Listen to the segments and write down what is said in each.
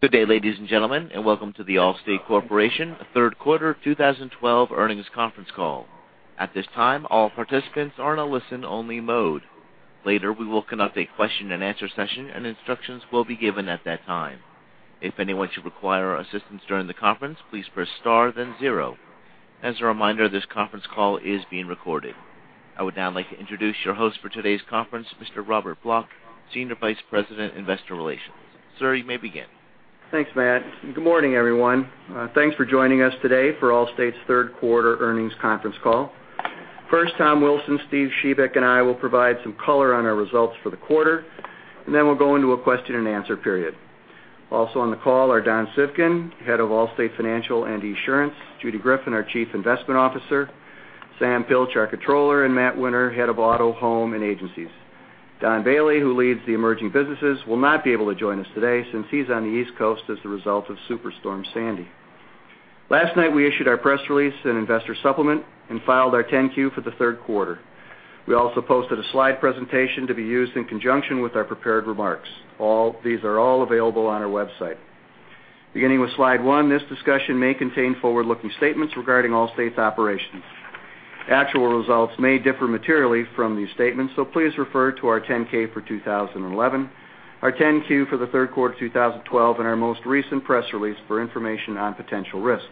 Good day, ladies and gentlemen. Welcome to The Allstate Corporation third quarter 2012 earnings conference call. At this time, all participants are in a listen only mode. Later, we will conduct a question and answer session. Instructions will be given at that time. If anyone should require assistance during the conference, please press star then zero. As a reminder, this conference call is being recorded. I would now like to introduce your host for today's conference, Mr. Robert Block, Senior Vice President, Investor Relations. Sir, you may begin. Thanks, Matt. Good morning, everyone. Thanks for joining us today for Allstate's third quarter earnings conference call. First, Tom Wilson, Steven Shebik, and I will provide some color on our results for the quarter. Then we'll go into a question and answer period. Also on the call are Don Civgin, Head of Allstate Financial and Insurance, Judy Griffin, our Chief Investment Officer, Samuel H. Pilch, Comptroller, and Matthew E. Winter, Head of Auto, Home, and Agencies. Don Bailey, who leads the emerging businesses, will not be able to join us today since he's on the East Coast as a result of Superstorm Sandy. Last night, we issued our press release and investor supplement. We filed our 10-Q for the third quarter. We also posted a slide presentation to be used in conjunction with our prepared remarks. These are all available on our website. Beginning with slide one, this discussion may contain forward-looking statements regarding Allstate's operations. Actual results may differ materially from these statements. Please refer to our 10-K for 2011, our 10-Q for the third quarter of 2012, and our most recent press release for information on potential risks.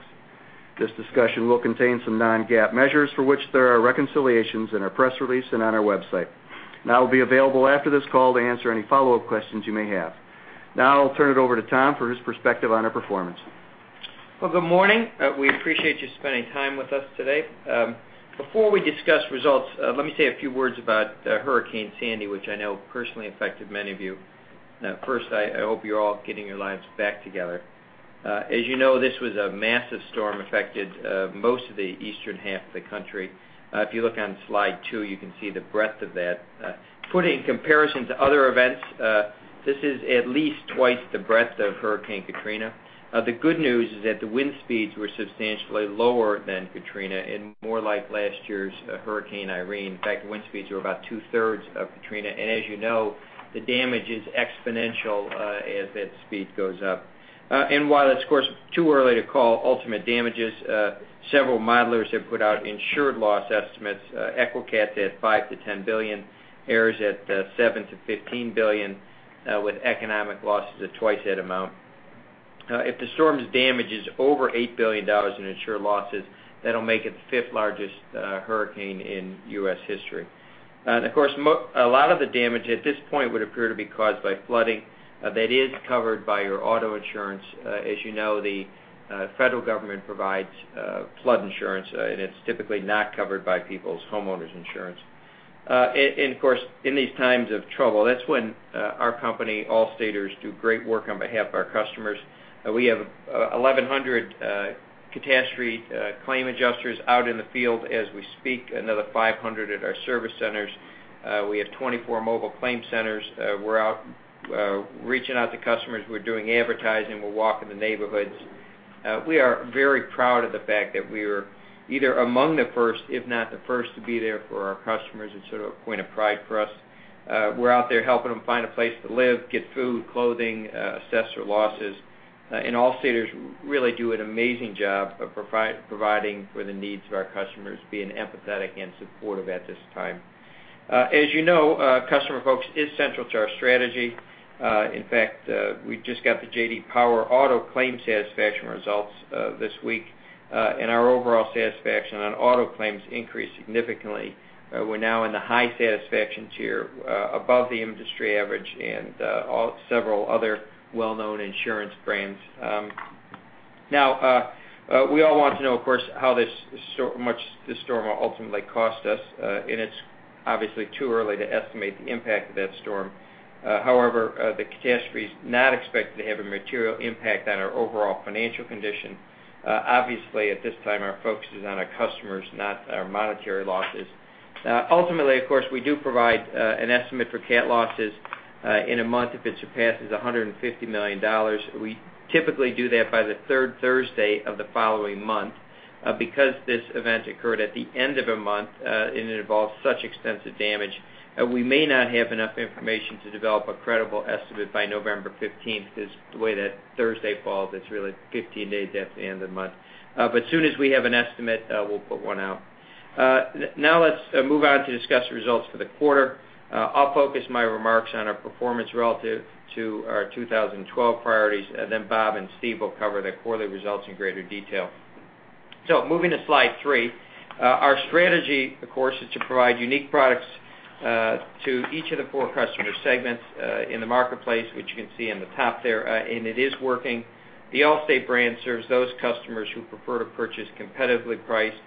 This discussion will contain some non-GAAP measures for which there are reconciliations in our press release and on our website. I will be available after this call to answer any follow-up questions you may have. Now I'll turn it over to Tom for his perspective on our performance. Well, good morning. We appreciate you spending time with us today. Before we discuss results, let me say a few words about Hurricane Sandy, which I know personally affected many of you. First, I hope you're all getting your lives back together. As you know, this was a massive storm, affected most of the eastern half of the country. If you look on slide two, you can see the breadth of that. Put in comparison to other events, this is at least twice the breadth of Hurricane Katrina. The good news is that the wind speeds were substantially lower than Katrina and more like last year's Hurricane Irene. In fact, wind speeds were about two-thirds of Katrina. As you know, the damage is exponential as that speed goes up. While it's of course too early to call ultimate damages, several modelers have put out insured loss estimates. EQECAT is at $5 billion-$10 billion, AIR is at $7 billion-$15 billion, with economic losses at twice that amount. If the storm's damage is over $8 billion in insured losses, that'll make it the fifth largest hurricane in U.S. history. Of course, a lot of the damage at this point would appear to be caused by flooding that is covered by your auto insurance. As you know, the federal government provides flood insurance, and it's typically not covered by people's homeowners insurance. Of course, in these times of trouble, that's when our company, Allstaters, do great work on behalf of our customers. We have 1,100 catastrophe claim adjusters out in the field as we speak, another 500 at our service centers. We have 24 mobile claim centers. We're reaching out to customers. We're doing advertising. We're walking the neighborhoods. We are very proud of the fact that we are either among the first, if not the first, to be there for our customers. It's sort of a point of pride for us. We're out there helping them find a place to live, get food, clothing, assess their losses. Allstaters really do an amazing job of providing for the needs of our customers, being empathetic and supportive at this time. As you know, customer focus is central to our strategy. In fact, we just got the J.D. Power auto claim satisfaction results this week, and our overall satisfaction on auto claims increased significantly. We're now in the high satisfaction tier above the industry average and several other well-known insurance brands. We all want to know, of course, how much this storm will ultimately cost us, and it's obviously too early to estimate the impact of that storm. However, the catastrophe is not expected to have a material impact on our overall financial condition. Obviously, at this time, our focus is on our customers, not our monetary losses. Ultimately, of course, we do provide an estimate for cat losses in a month if it surpasses $150 million. We typically do that by the third Thursday of the following month. Because this event occurred at the end of a month, and it involves such extensive damage, we may not have enough information to develop a credible estimate by November 15th because the way that Thursday falls, it's really 15 days after the end of the month. As soon as we have an estimate, we'll put one out. Let's move on to discuss the results for the quarter. I'll focus my remarks on our performance relative to our 2012 priorities, and then Bob and Steve will cover the quarterly results in greater detail. Moving to slide three. Our strategy, of course, is to provide unique products to each of the four customer segments in the marketplace, which you can see on the top there, and it is working. The Allstate brand serves those customers who prefer to purchase competitively priced,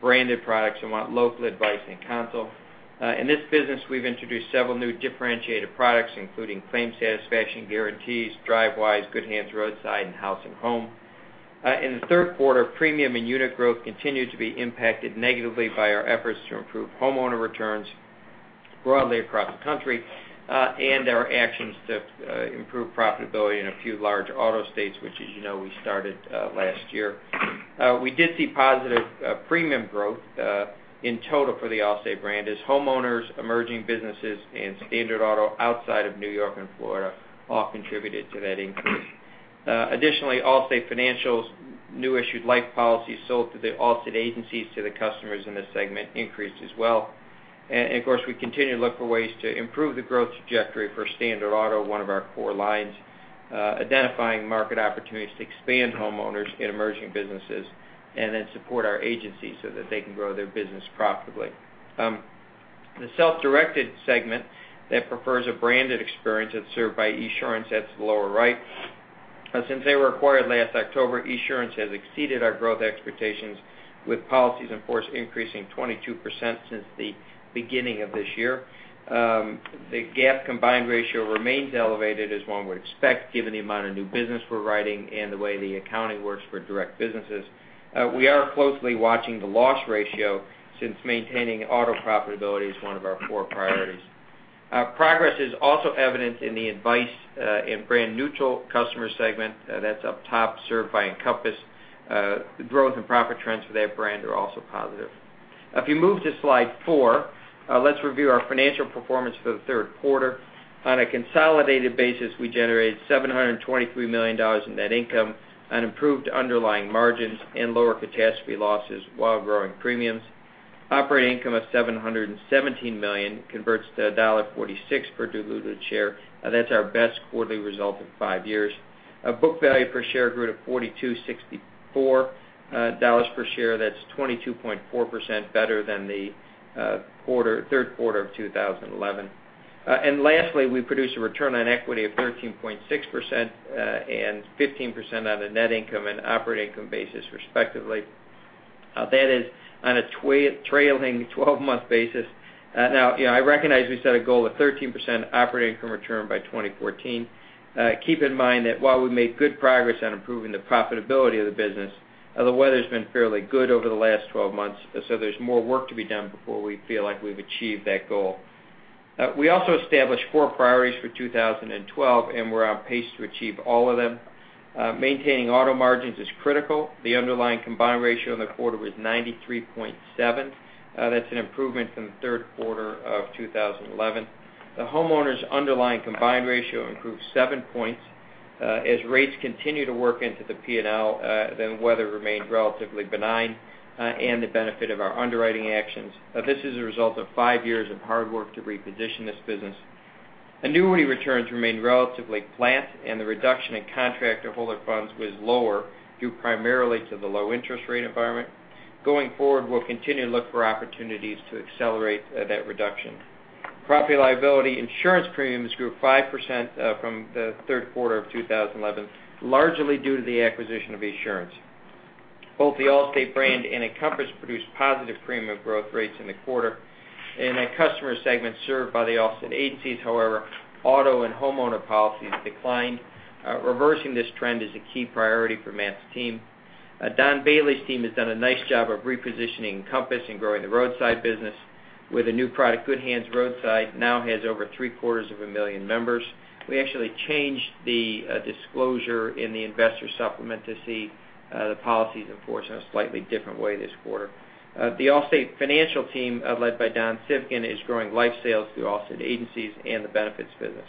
branded products and want local advice and counsel. In this business, we've introduced several new differentiated products, including claim satisfaction guarantees, Drivewise, Good Hands Roadside, and House and Home. In the third quarter, premium and unit growth continued to be impacted negatively by our efforts to improve homeowner returns broadly across the country, our actions to improve profitability in a few large auto states, which, as you know, we started last year. We did see positive premium growth in total for the Allstate brand as homeowners, emerging businesses, and standard auto outside of New York and Florida all contributed to that increase. Additionally, Allstate Financial's New issued life policies sold through the Allstate agencies to the customers in this segment increased as well. Of course, we continue to look for ways to improve the growth trajectory for standard auto, one of our core lines, identifying market opportunities to expand homeowners in emerging businesses, and then support our agencies so that they can grow their business profitably. The self-directed segment that prefers a branded experience that's served by Esurance, that's the lower right. Since they were acquired last October, Esurance has exceeded our growth expectations with policies in force increasing 22% since the beginning of this year. The GAAP combined ratio remains elevated, as one would expect, given the amount of new business we're writing and the way the accounting works for direct businesses. We are closely watching the loss ratio since maintaining auto profitability is one of our core priorities. Progress is also evident in the advice in brand neutral customer segment, that's up top, served by Encompass. The growth and profit trends for that brand are also positive. If you move to slide four, let's review our financial performance for the third quarter. On a consolidated basis, we generated $723 million in net income on improved underlying margins and lower catastrophe losses while growing premiums. Operating income of $717 million converts to $1.46 per diluted share. That's our best quarterly result in five years. Book value per share grew to $42.64 per share. That's 22.4% better than the third quarter of 2011. Lastly, we produced a return on equity of 13.6% and 15% on a net income and operating income basis, respectively. That is on a trailing 12-month basis. I recognize we set a goal of 13% operating income return by 2014. Keep in mind that while we made good progress on improving the profitability of the business, the weather's been fairly good over the last 12 months, there's more work to be done before we feel like we've achieved that goal. We also established four priorities for 2012, we're on pace to achieve all of them. Maintaining auto margins is critical. The underlying combined ratio in the quarter was 93.7. That's an improvement from the third quarter of 2011. The homeowners' underlying combined ratio improved seven points. As rates continue to work into the P&L, weather remained relatively benign, and the benefit of our underwriting actions. This is a result of five years of hard work to reposition this business. Annuity returns remained relatively flat, the reduction in contract holder funds was lower, due primarily to the low interest rate environment. Going forward, we'll continue to look for opportunities to accelerate that reduction. Property liability insurance premiums grew 5% from the third quarter of 2011, largely due to the acquisition of Esurance. Both the Allstate brand and Encompass produced positive premium growth rates in the quarter. In that customer segment served by the Allstate agencies, however, auto and homeowner policies declined. Reversing this trend is a key priority for Matt's team. Don Civgin's team has done a nice job of repositioning Encompass and growing the roadside business with a new product, Good Hands Roadside now has over three-quarters of a million members. We actually changed the disclosure in the investor supplement to see the policies in force in a slightly different way this quarter. The Allstate Financial team, led by Don Civgin, is growing life sales through Allstate agencies and the benefits business.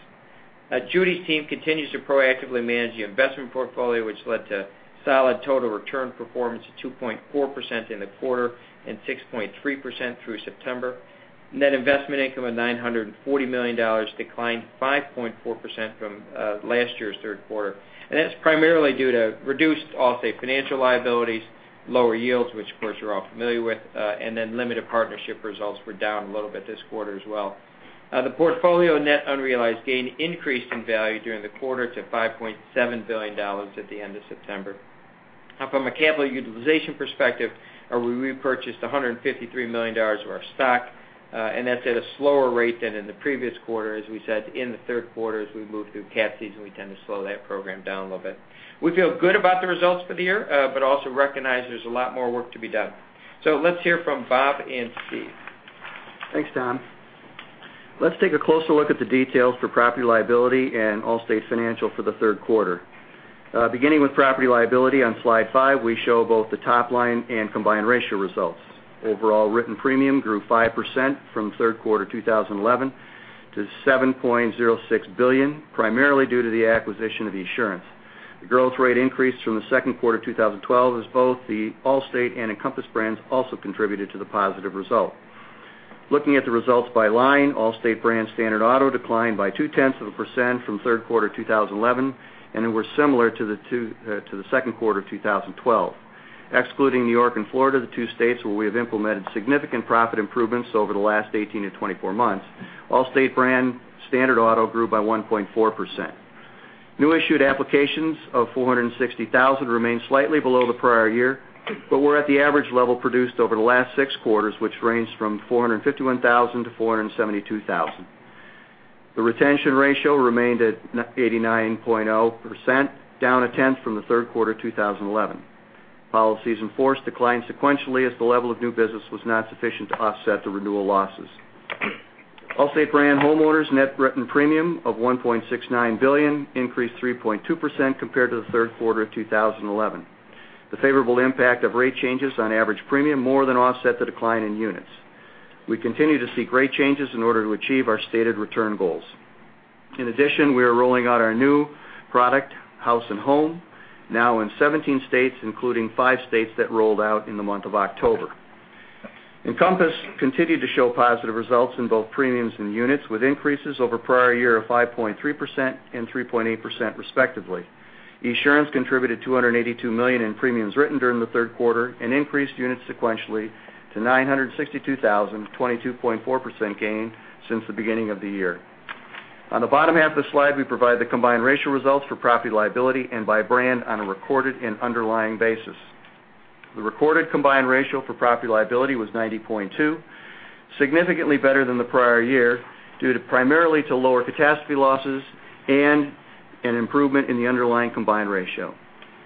Judy's team continues to proactively manage the investment portfolio, which led to solid total return performance of 2.4% in the quarter and 6.3% through September. Net investment income of $940 million, declined 5.4% from last year's third quarter. That's primarily due to reduced Allstate Financial liabilities, lower yields, which of course, you're all familiar with. Limited partnership results were down a little bit this quarter as well. The portfolio net unrealized gain increased in value during the quarter to $5.7 billion at the end of September. From a capital utilization perspective, we repurchased $153 million of our stock. That's at a slower rate than in the previous quarter. As we said, in the third quarter, as we move through cat season, we tend to slow that program down a little bit. We feel good about the results for the year, also recognize there's a lot more work to be done. Let's hear from Bob and Steve. Thanks, Tom. Let's take a closer look at the details for property liability and Allstate Financial for the third quarter. Beginning with property liability on slide five, we show both the top line and combined ratio results. Overall written premium grew 5% from third quarter 2011 to $7.06 billion, primarily due to the acquisition of Esurance. The growth rate increased from the second quarter of 2012 as both the Allstate and Encompass brands also contributed to the positive result. Looking at the results by line, Allstate brand standard auto declined by two-tenths of a percent from third quarter 2011. It was similar to the second quarter of 2012. Excluding New York and Florida, the two states where we have implemented significant profit improvements over the last 18-24 months, Allstate brand standard auto grew by 1.4%. New issued applications of 460,000 remain slightly below the prior year. We're at the average level produced over the last six quarters, which ranged from 451,000-472,000. The retention ratio remained at 89.0%, down a tenth from the third quarter 2011. Policies in force declined sequentially as the level of new business was not sufficient to offset the renewal losses. Allstate brand homeowners' net written premium of $1.69 billion increased 3.2% compared to the third quarter of 2011. The favorable impact of rate changes on average premium more than offset the decline in units. We continue to see great changes in order to achieve our stated return goals. In addition, we are rolling out our new product, House and Home, now in 17 states, including five states that rolled out in the month of October. Encompass continued to show positive results in both premiums and units, with increases over prior year of 5.3% and 3.8%, respectively. Esurance contributed $282 million in premiums written during the third quarter and increased units sequentially to 962,000, a 22.4% gain since the beginning of the year. On the bottom half of the slide, we provide the combined ratio results for property and liability and by brand on a recorded and underlying basis. The recorded combined ratio for property and liability was 90.2, significantly better than the prior year due primarily to lower catastrophe losses and an improvement in the underlying combined ratio.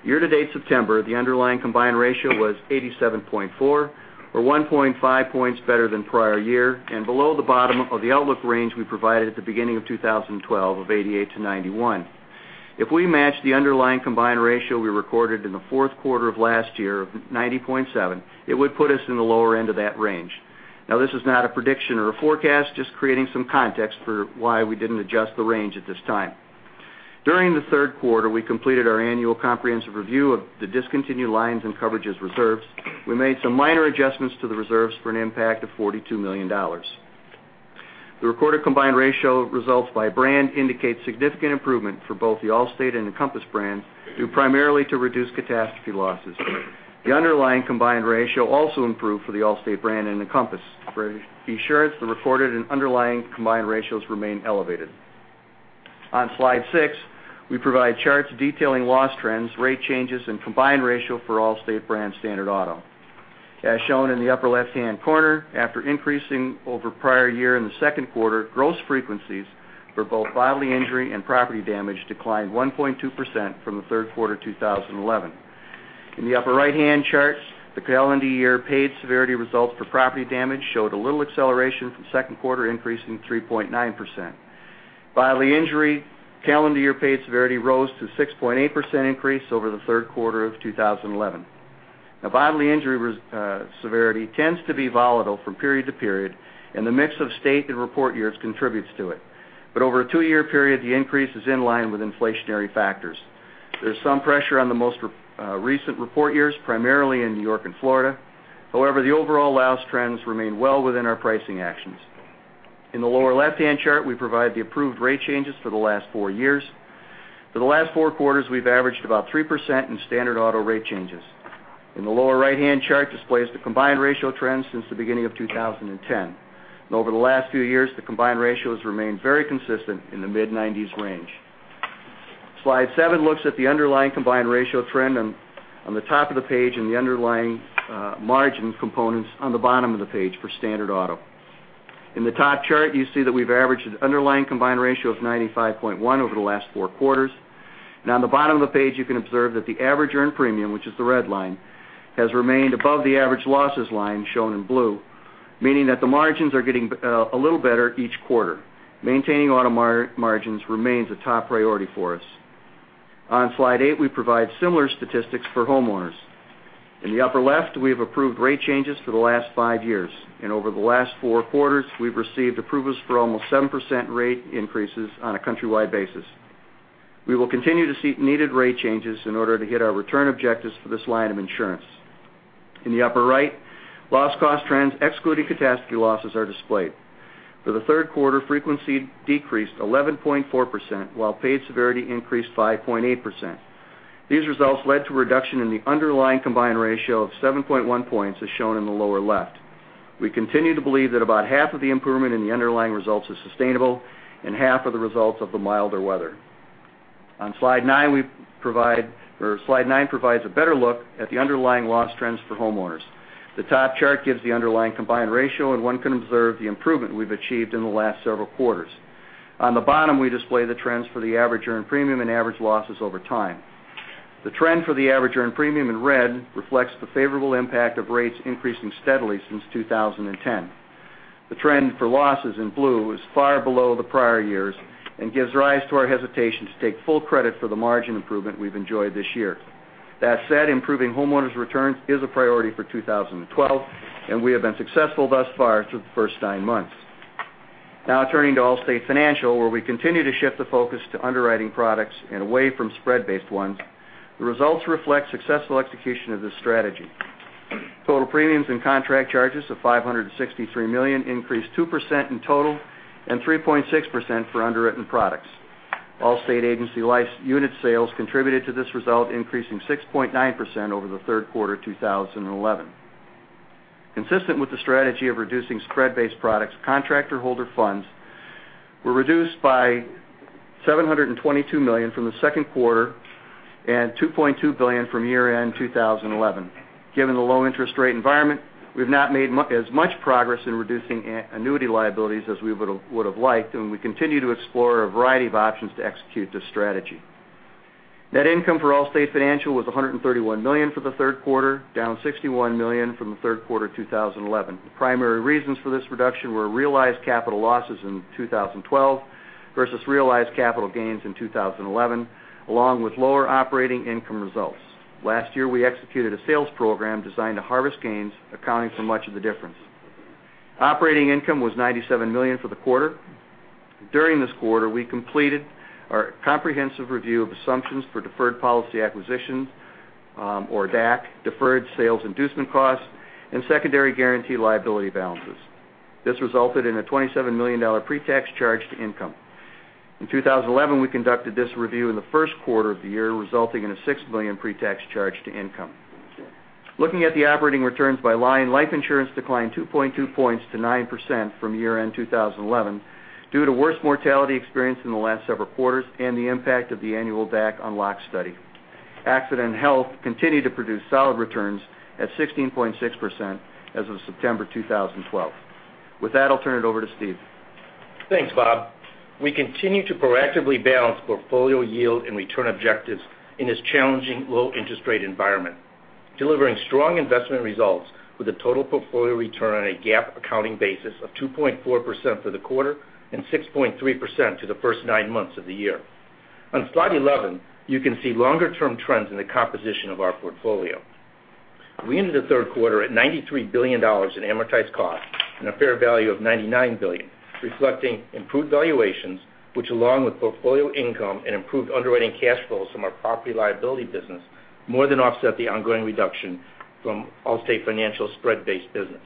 Year-to-date September, the underlying combined ratio was 87.4 or 1.5 points better than prior year and below the bottom of the outlook range we provided at the beginning of 2012 of 88 to 91. If we match the underlying combined ratio we recorded in the fourth quarter of last year of 90.7, it would put us in the lower end of that range. This is not a prediction or a forecast, just creating some context for why we didn't adjust the range at this time. During the third quarter, we completed our annual comprehensive review of the discontinued lines and coverages reserves. We made some minor adjustments to the reserves for an impact of $42 million. The recorded combined ratio results by brand indicate significant improvement for both the Allstate and Encompass brands, due primarily to reduced catastrophe losses. The underlying combined ratio also improved for the Allstate brand and Encompass. For Esurance, the recorded and underlying combined ratios remain elevated. On slide six, we provide charts detailing loss trends, rate changes, and combined ratio for Allstate brand standard auto. As shown in the upper left-hand corner, after increasing over prior year in the second quarter, gross frequencies for both bodily injury and property damage declined 1.2% from the third quarter 2011. In the upper right-hand charts, the calendar year paid severity results for property damage showed a little acceleration from second quarter increase in 3.9%. Bodily injury calendar year paid severity rose to a 6.8% increase over the third quarter of 2011. Bodily injury severity tends to be volatile from period to period, and the mix of state and report years contributes to it. Over a two-year period, the increase is in line with inflationary factors. There's some pressure on the most recent report years, primarily in New York and Florida. The overall loss trends remain well within our pricing actions. In the lower left-hand chart, we provide the approved rate changes for the last four years. For the last four quarters, we've averaged about 3% in standard auto rate changes. In the lower right-hand chart, displays the combined ratio trends since the beginning of 2010. Over the last few years, the combined ratios remain very consistent in the mid-90s range. Slide seven looks at the underlying combined ratio trend on the top of the page and the underlying margin components on the bottom of the page for standard auto. In the top chart, you see that we've averaged an underlying combined ratio of 95.1 over the last four quarters. On the bottom of the page, you can observe that the average earned premium, which is the red line, has remained above the average losses line, shown in blue, meaning that the margins are getting a little better each quarter. Maintaining auto margins remains a top priority for us. On slide eight, we provide similar statistics for homeowners. In the upper left, we have approved rate changes for the last five years, and over the last four quarters, we've received approvals for almost 7% rate increases on a countrywide basis. We will continue to seek needed rate changes in order to hit our return objectives for this line of insurance. In the upper right, loss cost trends excluding catastrophe losses are displayed. For the third quarter, frequency decreased 11.4%, while paid severity increased 5.8%. These results led to a reduction in the underlying combined ratio of 7.1 points, as shown in the lower left. We continue to believe that about half of the improvement in the underlying results is sustainable and half are the results of the milder weather. Slide nine provides a better look at the underlying loss trends for homeowners. The top chart gives the underlying combined ratio, and one can observe the improvement we've achieved in the last several quarters. On the bottom, we display the trends for the average earned premium and average losses over time. The trend for the average earned premium in red reflects the favorable impact of rates increasing steadily since 2010. The trend for losses in blue is far below the prior years and gives rise to our hesitation to take full credit for the margin improvement we've enjoyed this year. Improving homeowners' returns is a priority for 2012, and we have been successful thus far through the first nine months. Turning to Allstate Financial, where we continue to shift the focus to underwriting products and away from spread-based ones. The results reflect successful execution of this strategy. Total premiums and contract charges of $563 million increased 2% in total and 3.6% for underwritten products. Allstate Agency Life's unit sales contributed to this result, increasing 6.9% over the third quarter 2011. Consistent with the strategy of reducing spread-based products, contract or holder funds were reduced by $722 million from the second quarter and $2.2 billion from year-end 2011. Given the low interest rate environment, we've not made as much progress in reducing annuity liabilities as we would've liked, and we continue to explore a variety of options to execute this strategy. Net income for Allstate Financial was $131 million for the third quarter, down $61 million from the third quarter 2011. The primary reasons for this reduction were realized capital losses in 2012 versus realized capital gains in 2011, along with lower operating income results. Last year, we executed a sales program designed to harvest gains, accounting for much of the difference. Operating income was $97 million for the quarter. During this quarter, we completed our comprehensive review of assumptions for deferred policy acquisitions, or DAC, deferred sales inducement costs, and secondary guarantee liability balances. This resulted in a $27 million pre-tax charge to income. In 2011, we conducted this review in the first quarter of the year, resulting in a $6 million pre-tax charge to income. Looking at the operating returns by line, life insurance declined 2.2 points to 9% from year-end 2011 due to worse mortality experience in the last several quarters and the impact of the annual DAC unlock study. Accident and health continued to produce solid returns at 16.6% as of September 2012. I'll turn it over to Steve. Thanks, Bob. We continue to proactively balance portfolio yield and return objectives in this challenging low interest rate environment, delivering strong investment results with a total portfolio return on a GAAP accounting basis of 2.4% for the quarter and 6.3% to the first nine months of the year. On slide 11, you can see longer term trends in the composition of our portfolio. We ended the third quarter at $93 billion in amortized cost and a fair value of $99 billion, reflecting improved valuations, which along with portfolio income and improved underwriting cash flows from our property liability business, more than offset the ongoing reduction from Allstate Financial's spread-based business.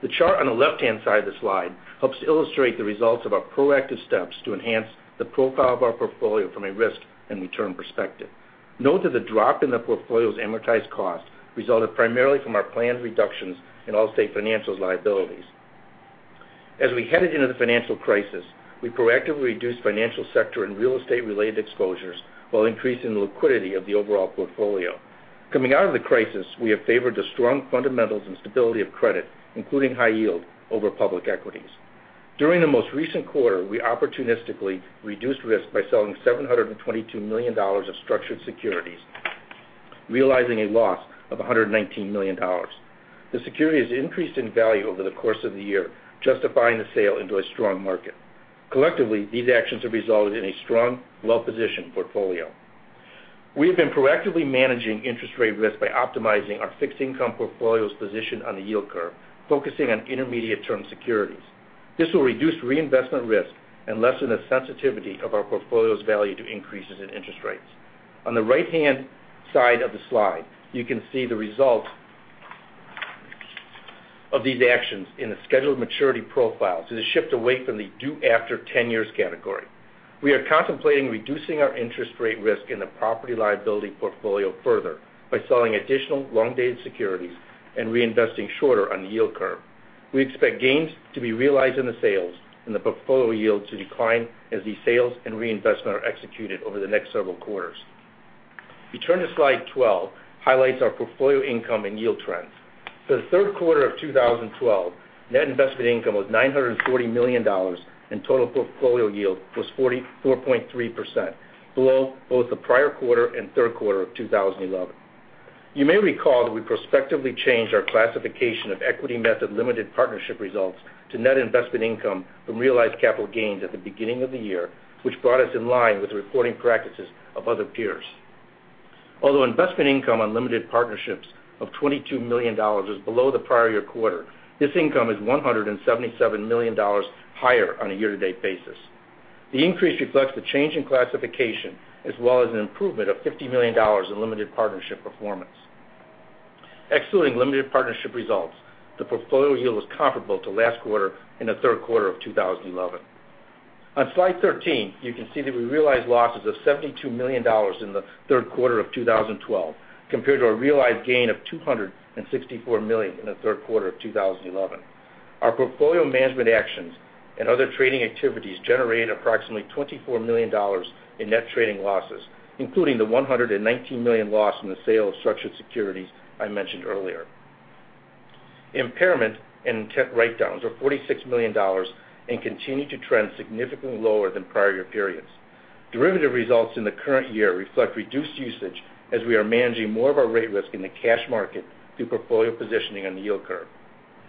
The chart on the left-hand side of the slide helps illustrate the results of our proactive steps to enhance the profile of our portfolio from a risk and return perspective. Note that the drop in the portfolio's amortized cost resulted primarily from our planned reductions in Allstate Financial's liabilities. As we headed into the financial crisis, we proactively reduced financial sector and real estate related exposures while increasing the liquidity of the overall portfolio. Coming out of the crisis, we have favored the strong fundamentals and stability of credit, including high yield over public equities. During the most recent quarter, we opportunistically reduced risk by selling $722 million of structured securities, realizing a loss of $119 million. The securities increased in value over the course of the year, justifying the sale into a strong market. Collectively, these actions have resulted in a strong, well-positioned portfolio. We have been proactively managing interest rate risk by optimizing our fixed income portfolio's position on the yield curve, focusing on intermediate term securities. This will reduce reinvestment risk and lessen the sensitivity of our portfolio's value to increases in interest rates. On the right-hand side of the slide, you can see the results of these actions in the scheduled maturity profiles as a shift away from the due after 10 years category. We are contemplating reducing our interest rate risk in the property liability portfolio further by selling additional long-dated securities and reinvesting shorter on the yield curve. We expect gains to be realized in the sales and the portfolio yield to decline as these sales and reinvestment are executed over the next several quarters. We turn to slide 12, highlights our portfolio income and yield trends. For the third quarter of 2012, net investment income was $940 million, and total portfolio yield was 44.3%, below both the prior quarter and third quarter of 2011. You may recall that we prospectively changed our classification of equity method limited partnership results to net investment income from realized capital gains at the beginning of the year, which brought us in line with the reporting practices of other peers. Although investment income on limited partnerships of $22 million is below the prior year quarter, this income is $177 million higher on a year-to-date basis. The increase reflects the change in classification as well as an improvement of $50 million in limited partnership performance. Excluding limited partnership results, the portfolio yield was comparable to last quarter and the third quarter of 2011. On slide 13, you can see that we realized losses of $72 million in the third quarter of 2012 compared to a realized gain of $264 million in the third quarter of 2011. Our portfolio management actions and other trading activities generated approximately $24 million in net trading losses, including the $119 million loss in the sale of structured securities I mentioned earlier. Impairment and intent write-downs are $46 million and continue to trend significantly lower than prior year periods. Derivative results in the current year reflect reduced usage as we are managing more of our rate risk in the cash market through portfolio positioning on the yield curve.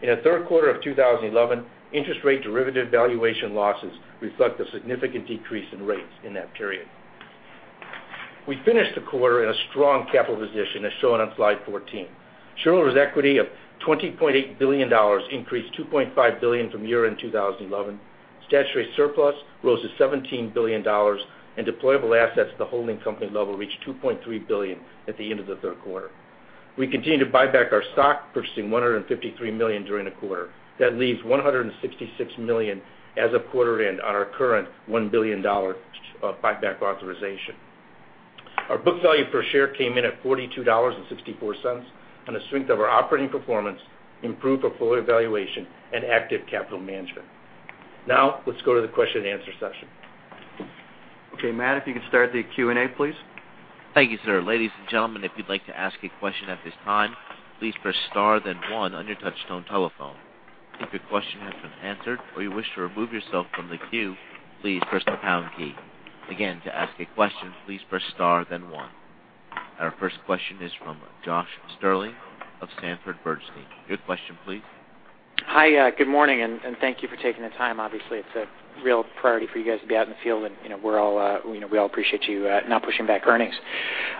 In the third quarter of 2011, interest rate derivative valuation losses reflect a significant decrease in rates in that period. We finished the quarter in a strong capital position, as shown on slide 14. Shareholders' equity of $20.8 billion increased $2.5 billion from year-end 2011. Statutory surplus rose to $17 billion, and deployable assets at the holding company level reached $2.3 billion at the end of the third quarter. We continue to buy back our stock, purchasing $153 million during the quarter. That leaves $166 million as of quarter end on our current $1 billion buyback authorization. Our book value per share came in at $42.64 on the strength of our operating performance, improved portfolio valuation, and active capital management. Let's go to the question and answer session. Matt, if you could start the Q&A, please. Thank you, sir. Ladies and gentlemen, if you'd like to ask a question at this time, please press * then 1 on your touchtone telephone. If your question has been answered or you wish to remove yourself from the queue, please press the # key. Again, to ask a question, please press * then 1. Our first question is from Josh Shanker of Sanford Bernstein. Your question, please. Hi, good morning. Thank you for taking the time. Obviously, it's a real priority for you guys to be out in the field. We all appreciate you not pushing back earnings.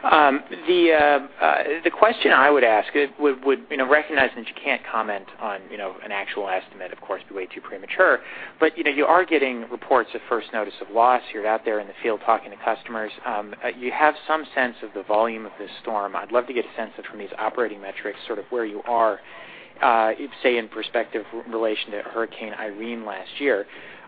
The question I would ask would recognize that you can't comment on an actual estimate, of course, it'd be way too premature. You are getting reports of first notice of loss. You're out there in the field talking to customers. You have some sense of the volume of this storm. I'd love to get a sense of, from these operating metrics, where you are, say, in perspective relation to Hurricane Irene last year.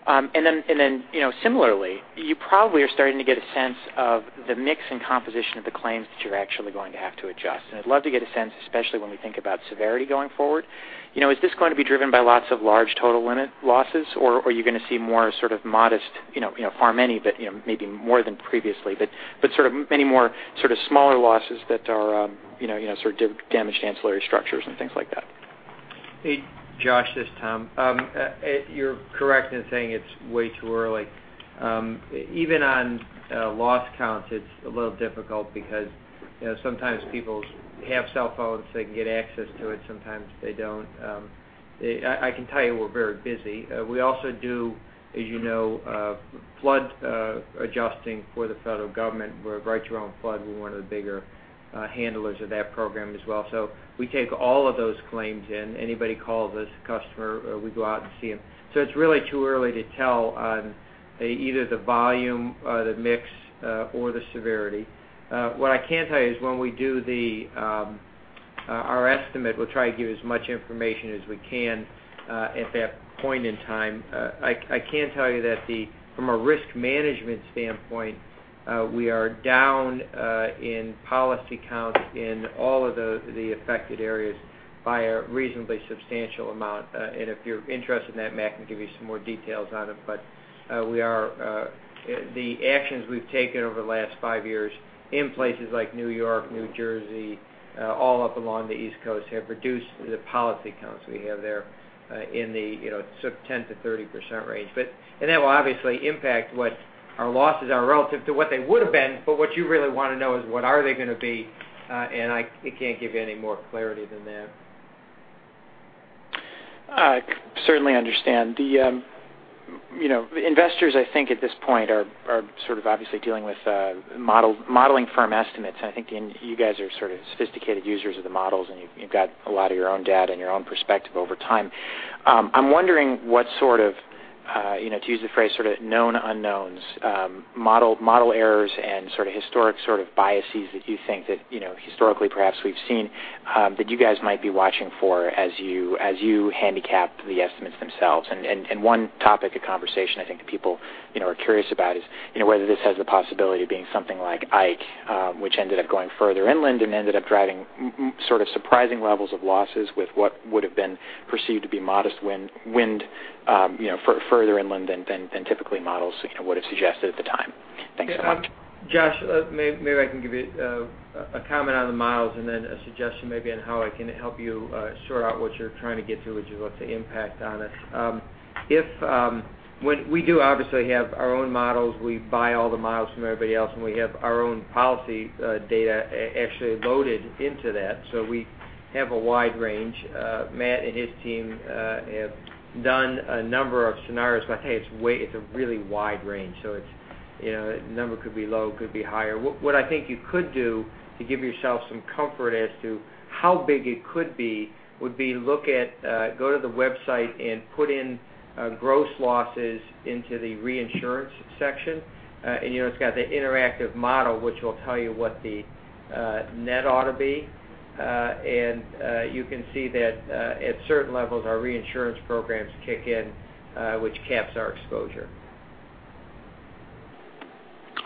Then similarly, you probably are starting to get a sense of the mix and composition of the claims that you're actually going to have to adjust. I'd love to get a sense, especially when we think about severity going forward. Is this going to be driven by lots of large total limit losses, or are you going to see more modest, far many, but maybe more than previously, but many more smaller losses that are damaged ancillary structures and things like that? Hey, Josh, this is Tom. You're correct in saying it's way too early. Even on loss counts, it's a little difficult because sometimes people have cell phones, they can get access to it, sometimes they don't. I can tell you we're very busy. We also do flood adjusting for the federal government. We're a Write Your Own Flood. We're one of the bigger handlers of that program as well. We take all of those claims in. Anybody calls us, a customer, we go out and see them. It's really too early to tell on either the volume, the mix, or the severity. What I can tell you is when we do our estimate, we'll try to give you as much information as we can at that point in time. I can tell you that from a risk management standpoint, we are down in policy counts in all of the affected areas by a reasonably substantial amount. If you're interested in that, Matt can give you some more details on it. The actions we've taken over the last 5 years in places like New York, New Jersey, all up along the East Coast, have reduced the policy counts we have there in the 10%-30% range. That will obviously impact what our losses are relative to what they would have been. What you really want to know is what are they going to be? I can't give you any more clarity than that. I certainly understand. The investors, I think, at this point are obviously dealing with modeling firm estimates. I think you guys are sophisticated users of the models, and you've got a lot of your own data and your own perspective over time. I'm wondering what sort of, to use the phrase, known unknowns, model errors, and historic biases that you think that historically perhaps we've seen that you guys might be watching for as you handicap the estimates themselves. One topic of conversation I think people are curious about is whether this has the possibility of being something like Hurricane Ike, which ended up going further inland and ended up driving surprising levels of losses with what would have been perceived to be modest wind further inland than typically models would have suggested at the time. Thanks so much. Josh, maybe I can give you a comment on the models. Then a suggestion maybe on how I can help you sort out what you're trying to get to, which is what's the impact on it. We do obviously have our own models. We buy all the models from everybody else, and we have our own policy data actually loaded into that. We have a wide range. Matt and his team have done a number of scenarios, hey, it's a really wide range. The number could be low, could be higher. What I think you could do to give yourself some comfort as to how big it could be would be go to the website and put in gross losses into the reinsurance section. It's got the interactive model, which will tell you what the net ought to be. You can see that at certain levels, our reinsurance programs kick in, which caps our exposure.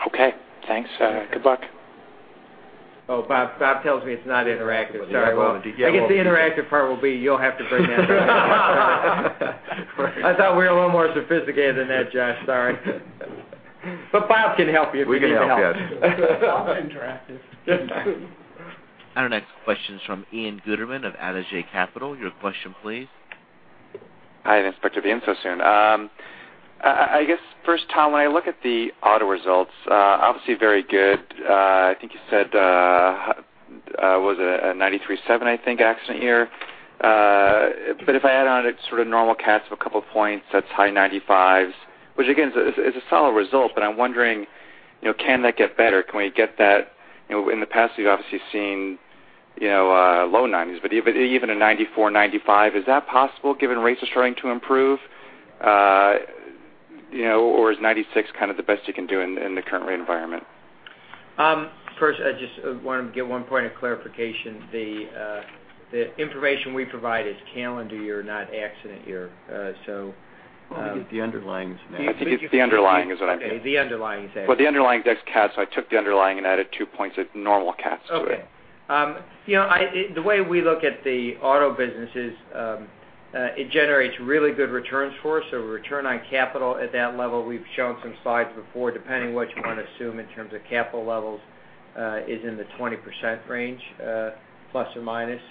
Okay, thanks. Good luck. Oh, Bob tells me it's not interactive. Sorry. Yeah. I guess the interactive part will be you'll have to bring that. I thought we were a little more sophisticated than that, Josh, sorry. Bob can help you if you need help. We can help, yes. It's often interactive. Our next question is from Ian Gutterman of Adage Capital. Your question, please. Hi, Ian Gutterman so soon. I guess first, Tom, when I look at the auto results, obviously very good. I think you said it was a 93.7%, I think, accident year. If I add on its normal cats of a couple of points, that's high ninety-fives, which again is a solid result. I'm wondering, can that get better? Can we get that in the past, we've obviously seen low nineties, but even a 94%, 95%, is that possible given rates are starting to improve? Is 96% kind of the best you can do in the current rate environment? First, I just wanted to give one point of clarification. The information we provide is calendar year, not accident year. The underlying is what I mean. I think it's the underlying is what I mean. The underlying is that. The underlying is ex-cat, so I took the underlying and added two points of normal cats to it. Okay. The way we look at the auto business is it generates really good returns for us. Return on capital at that level, we've shown some slides before, depending what you want to assume in terms of capital levels, is in the 20% range, plus or minus.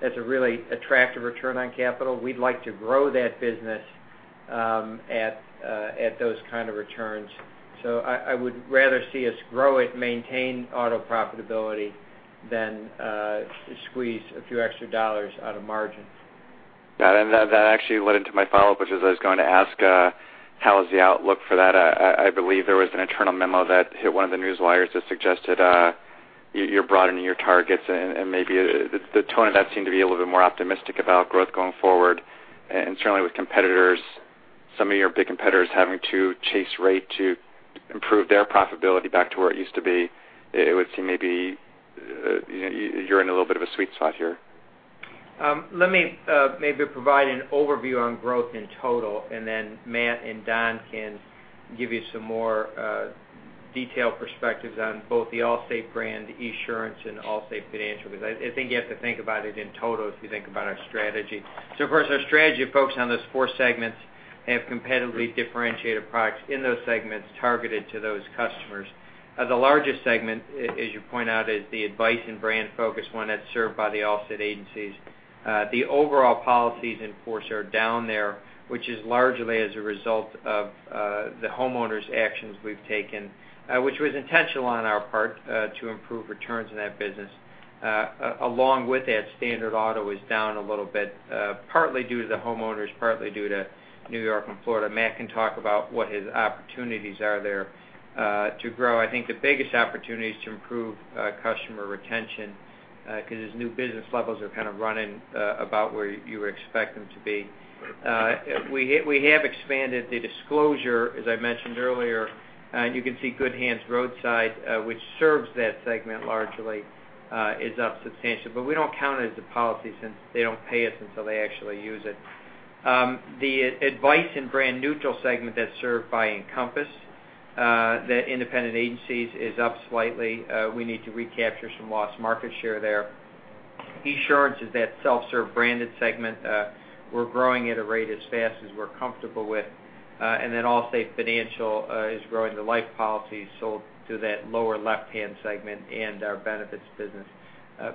That's a really attractive return on capital. We'd like to grow that business at those kind of returns. I would rather see us grow it, maintain auto profitability than squeeze a few extra dollars out of margin. Got it. That actually led into my follow-up, which is I was going to ask how is the outlook for that? I believe there was an internal memo that hit one of the newswires that suggested you're broadening your targets, and maybe the tone of that seemed to be a little bit more optimistic about growth going forward. Certainly with some of your big competitors having to chase rate to improve their profitability back to where it used to be, it would seem maybe you're in a little bit of a sweet spot here. Let me maybe provide an overview on growth in total, and then Matt and Don can give you some more detailed perspectives on both the Allstate brand, Esurance, and Allstate Financial, because I think you have to think about it in total if you think about our strategy. Of course, our strategy focused on those four segments have competitively differentiated products in those segments targeted to those customers. The largest segment, as you point out, is the advice and brand-focused one that's served by the Allstate agencies. The overall policies in force are down there, which is largely as a result of the homeowners actions we've taken, which was intentional on our part to improve returns in that business. Along with that, standard auto is down a little bit, partly due to the homeowners, partly due to N.Y. and Florida. Matt can talk about what his opportunities are there to grow. I think the biggest opportunity is to improve customer retention, because his new business levels are kind of running about where you would expect them to be. We have expanded the disclosure, as I mentioned earlier. You can see Good Hands Roadside, which serves that segment largely is up substantially, but we don't count it as a policy since they don't pay us until they actually use it. The advice and brand neutral segment that's served by Encompass, the independent agencies, is up slightly. We need to recapture some lost market share there. Esurance is that self-serve branded segment we're growing at a rate as fast as we're comfortable with. Then Allstate Financial is growing the life policies sold to that lower left-hand segment and our benefits business.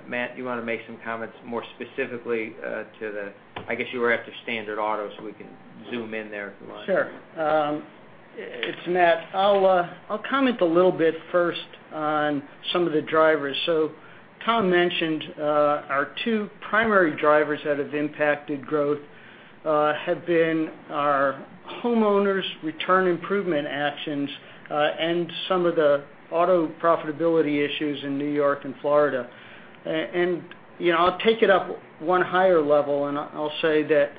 Matt, do you want to make some comments more specifically to standard auto? I guess you were after standard auto, so we can zoom in there if you want. Sure. It's Matt. I'll comment a little bit first on some of the drivers. Tom mentioned our two primary drivers that have impacted growth have been our homeowners' return improvement actions, and some of the auto profitability issues in New York and Florida. I'll take it up one higher level, and I'll say that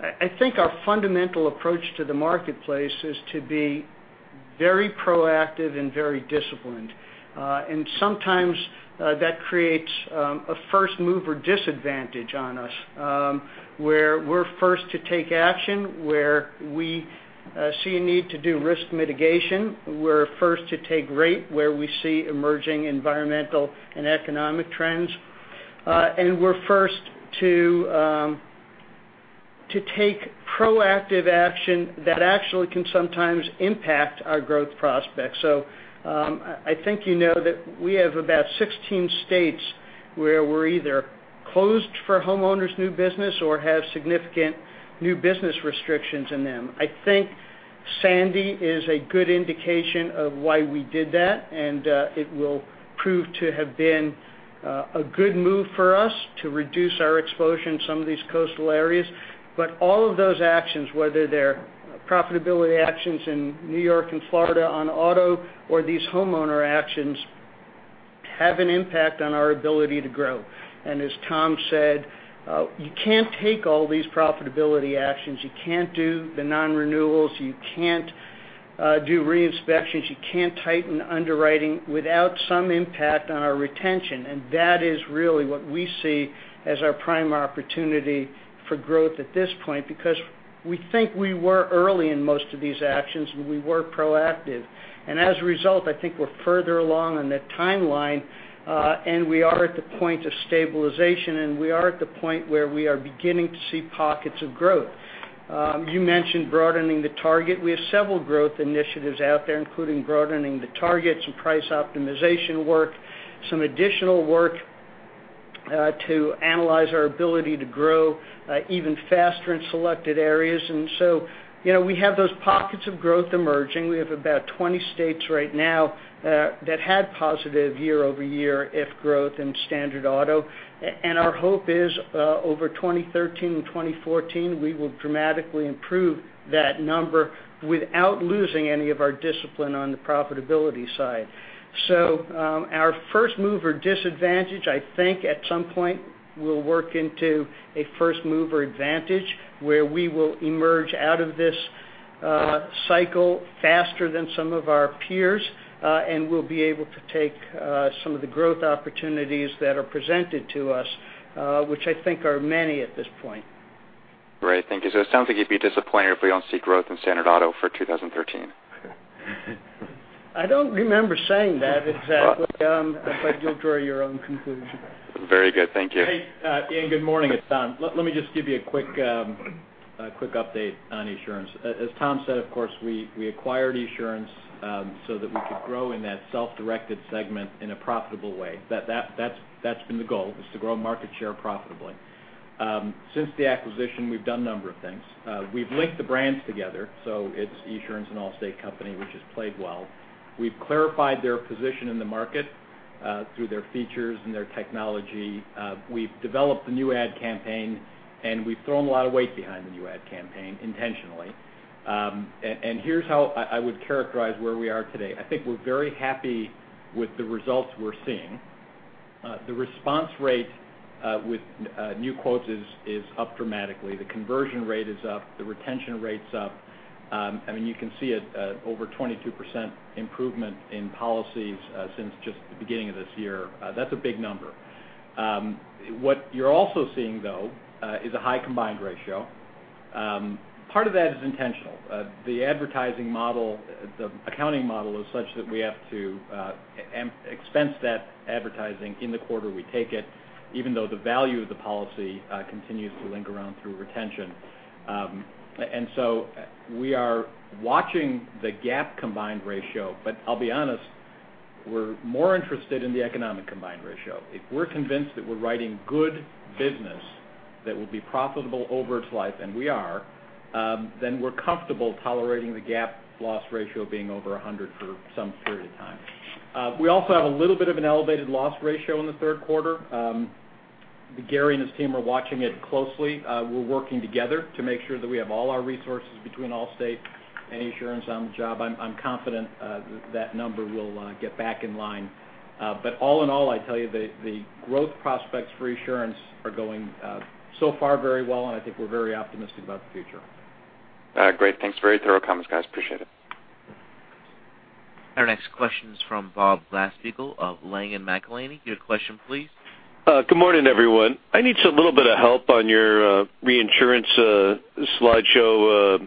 I think our fundamental approach to the marketplace is to be very proactive and very disciplined. Sometimes that creates a first-mover disadvantage on us, where we're first to take action, where we see a need to do risk mitigation. We're first to take rate where we see emerging environmental and economic trends. We're first to take proactive action that actually can sometimes impact our growth prospects. I think you know that we have about 16 states where we're either closed for homeowners' new business or have significant new business restrictions in them. I think Sandy is a good indication of why we did that, and it will prove to have been a good move for us to reduce our exposure in some of these coastal areas. All of those actions, whether they're profitability actions in New York and Florida on auto, or these homeowner actions, have an impact on our ability to grow. As Tom said, you can't take all these profitability actions. You can't do the nonrenewals. You can't do re-inspections. You can't tighten underwriting without some impact on our retention. That is really what we see as our prime opportunity for growth at this point, because we think we were early in most of these actions, and we were proactive. As a result, I think we're further along in that timeline, and we are at the point of stabilization, and we are at the point where we are beginning to see pockets of growth. You mentioned broadening the target. We have several growth initiatives out there, including broadening the targets and price optimization work, some additional work to analyze our ability to grow even faster in selected areas. We have those pockets of growth emerging. We have about 20 states right now that had positive year-over-year PIF growth in standard auto. Our hope is over 2013 and 2014, we will dramatically improve that number without losing any of our discipline on the profitability side. Our first-mover disadvantage, I think at some point, will work into a first-mover advantage where we will emerge out of this cycle faster than some of our peers. We'll be able to take some of the growth opportunities that are presented to us, which I think are many at this point. Great. Thank you. It sounds like you'd be disappointed if we don't see growth in standard auto for 2013. I don't remember saying that exactly. You'll draw your own conclusion. Very good. Thank you. Hey, Ian, good morning. It's Don. Let me just give you a quick update on Esurance. As Tom said, of course, we acquired Esurance so that we could grow in that self-directed segment in a profitable way. That's been the goal is to grow market share profitably. Since the acquisition, we've done a number of things. We've linked the brands together, so it's Esurance and Allstate company, which has played well. We've clarified their position in the market through their features and their technology. We've developed a new ad campaign. We've thrown a lot of weight behind the new ad campaign intentionally. Here's how I would characterize where we are today. I think we're very happy with the results we're seeing. The response rate with new quotes is up dramatically. The conversion rate is up, the retention rate's up. You can see it, over 22% improvement in policies since just the beginning of this year. That's a big number. What you're also seeing, though, is a high combined ratio. Part of that is intentional. The accounting model is such that we have to expense that advertising in the quarter we take it, even though the value of the policy continues to linger on through retention. We are watching the GAAP combined ratio, but I'll be honest, we're more interested in the economic combined ratio. If we're convinced that we're writing good business that will be profitable over its life, and we are, then we're comfortable tolerating the GAAP loss ratio being over 100 for some period of time. We also have a little bit of an elevated loss ratio in the third quarter. Gary and his team are watching it closely. We're working together to make sure that we have all our resources between Allstate and Esurance on the job. I'm confident that number will get back in line. All in all, I tell you the growth prospects for Esurance are going so far very well, and I think we're very optimistic about the future. Great. Thanks. Very thorough comments, guys. Appreciate it. Our next question is from Bob Glasspiegel of Langen McAlenney. Your question, please. Good morning, everyone. I need a little bit of help on your reinsurance slideshow,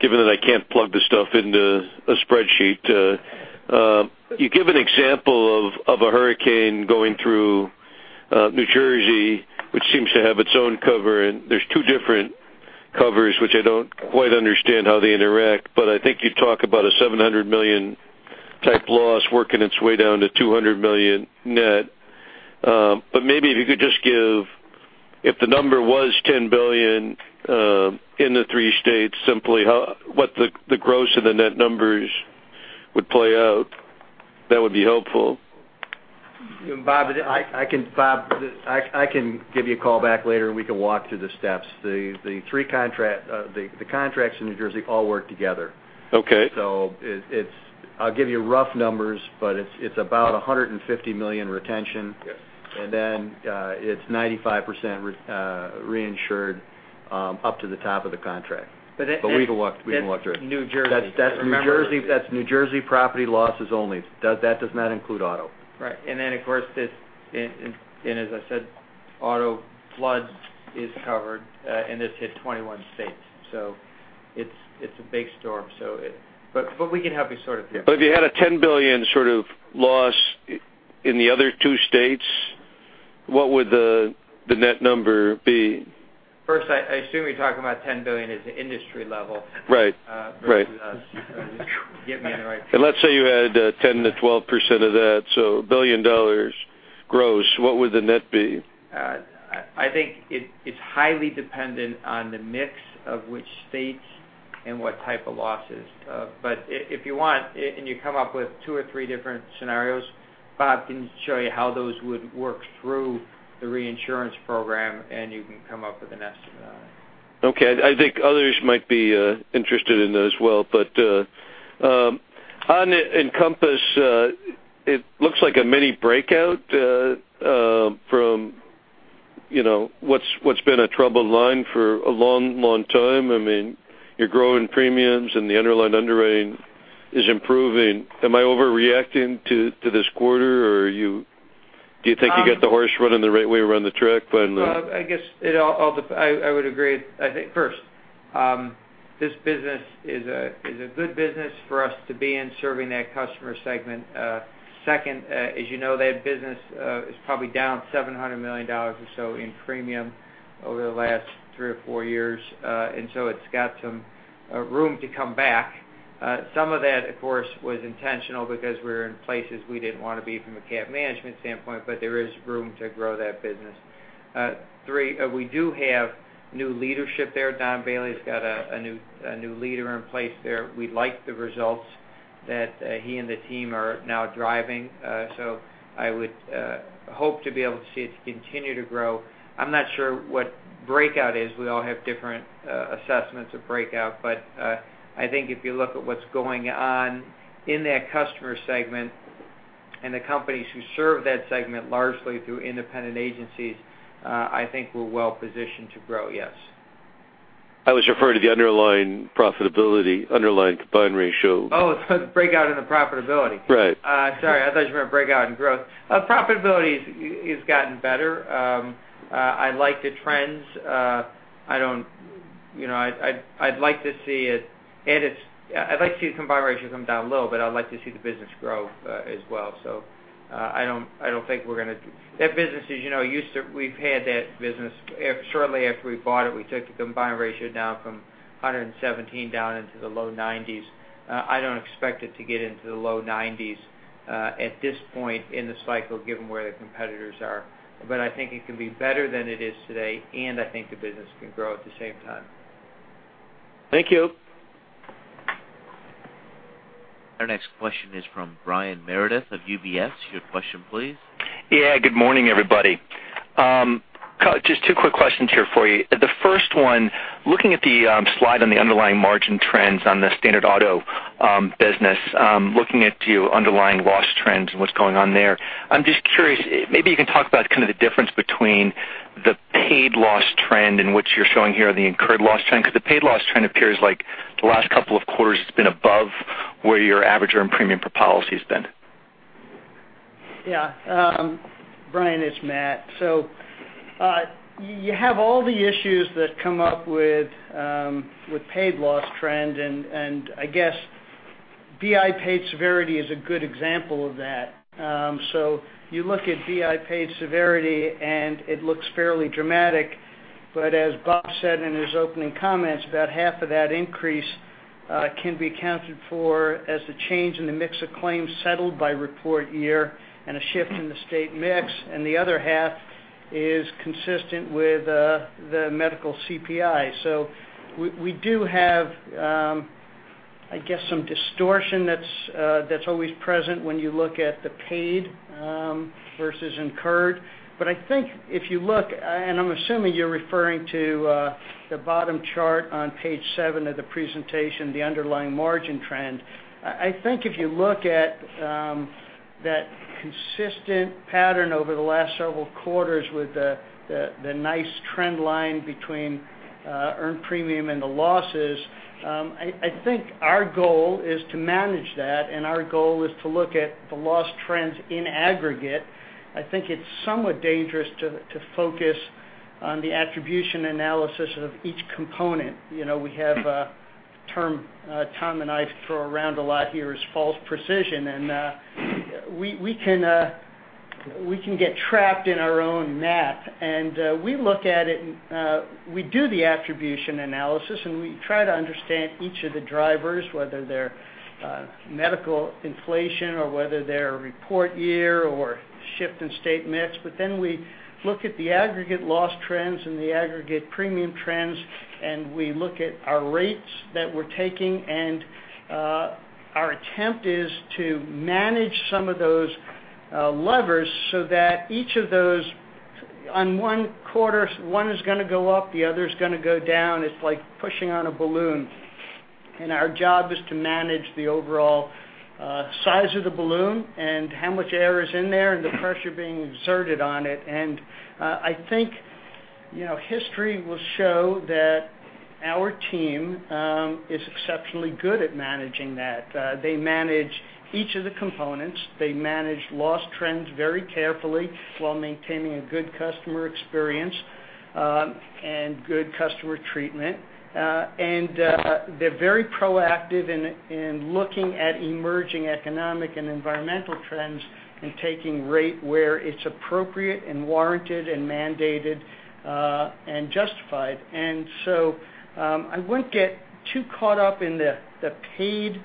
given that I can't plug the stuff into a spreadsheet. You give an example of a hurricane going through New Jersey, which seems to have its own cover, and there's two different covers, which I don't quite understand how they interact. I think you talk about a $700 million type loss working its way down to $200 million net. Maybe if you could just give, if the number was $10 billion in the three states, simply what the gross and the net numbers would play out. That would be helpful. Bob, I can give you a call back later. We can walk through the steps. The contracts in New Jersey all work together. Okay. I'll give you rough numbers, but it's about $150 million retention. Yes. It's 95% reinsured up to the top of the contract. We can walk through it. That's New Jersey. That's New Jersey property losses only. That does not include auto. Right. Then, of course, as I said, auto flood is covered, and this hit 21 states. It's a big storm. We can help you sort it through. If you had a $10 billion sort of loss in the other two states, what would the net number be? First, I assume you're talking about $10 billion as the industry level. Right. Versus us. Just to get me on the right page. Let's say you had 10%-12% of that, so $1 billion gross. What would the net be? I think it's highly dependent on the mix of which states and what type of losses. If you want, and you come up with two or three different scenarios, Bob can show you how those would work through the reinsurance program, and you can come up with an estimate on it. Okay. I think others might be interested in those well. On Encompass, it looks like a mini breakout from what's been a troubled line for a long time. You're growing premiums and the underlying underwriting is improving. Am I overreacting to this quarter, or do you think you got the horse running the right way around the track? I guess I would agree. I think first, this business is a good business for us to be in serving that customer segment. Second, as you know, that business is probably down $700 million or so in premium over the last three or four years. It's got some room to come back. Some of that, of course, was intentional because we're in places we didn't want to be from a cap management standpoint, but there is room to grow that business. Three, we do have new leadership there. Don Civgin's got a new leader in place there. We like the results that he and the team are now driving. I would hope to be able to see it continue to grow. I'm not sure what breakout is. We all have different assessments of breakout. I think if you look at what's going on in that customer segment and the companies who serve that segment largely through independent agencies, I think we're well positioned to grow, yes. I was referring to the underlying profitability, underlying combined ratio. Oh, the breakout in the profitability. Right. Sorry, I thought you meant breakout in growth. Profitability has gotten better. I like the trends. I'd like to see the combined ratio come down a little, but I'd like to see the business grow as well. I don't think we're going to. We've had that business. Shortly after we bought it, we took the combined ratio down from 117 down into the low 90s. I don't expect it to get into the low 90s. At this point in the cycle, given where the competitors are. I think it can be better than it is today, and I think the business can grow at the same time. Thank you. Our next question is from Brian Meredith of UBS. Your question, please. Yeah. Good morning, everybody. Just two quick questions here for you. The first one, looking at the slide on the underlying margin trends on the standard auto business, looking at your underlying loss trends and what's going on there. I'm just curious, maybe you can talk about kind of the difference between the paid loss trend and what you're showing here, the incurred loss trend, because the paid loss trend appears like the last couple of quarters it's been above where your average earned premium per policy has been. Brian, it's Matt. You have all the issues that come up with paid loss trend. I guess BI paid severity is a good example of that. You look at BI paid severity, and it looks fairly dramatic, but as Bob said in his opening comments, about half of that increase can be accounted for as the change in the mix of claims settled by report year and a shift in the state mix, the other half is consistent with the medical CPI. We do have, I guess, some distortion that's always present when you look at the paid versus incurred. I think if you look, I'm assuming you're referring to the bottom chart on page seven of the presentation, the underlying margin trend. I think if you look at that consistent pattern over the last several quarters with the nice trend line between earned premium and the losses, I think our goal is to manage that, our goal is to look at the loss trends in aggregate. I think it's somewhat dangerous to focus on the attribution analysis of each component. We have a term Tom and I throw around a lot here is false precision, we can get trapped in our own map. We look at it, we do the attribution analysis, we try to understand each of the drivers, whether they're medical inflation or whether they're report year or shift in state mix. We look at the aggregate loss trends and the aggregate premium trends, we look at our rates that we're taking, our attempt is to manage some of those levers so that each of those on one quarter, one is going to go up, the other's going to go down. It's like pushing on a balloon. Our job is to manage the overall size of the balloon and how much air is in there and the pressure being exerted on it. I think history will show that our team is exceptionally good at managing that. They manage each of the components. They manage loss trends very carefully while maintaining a good customer experience and good customer treatment. They're very proactive in looking at emerging economic and environmental trends and taking rate where it's appropriate and warranted and mandated and justified. I wouldn't get too caught up in the paid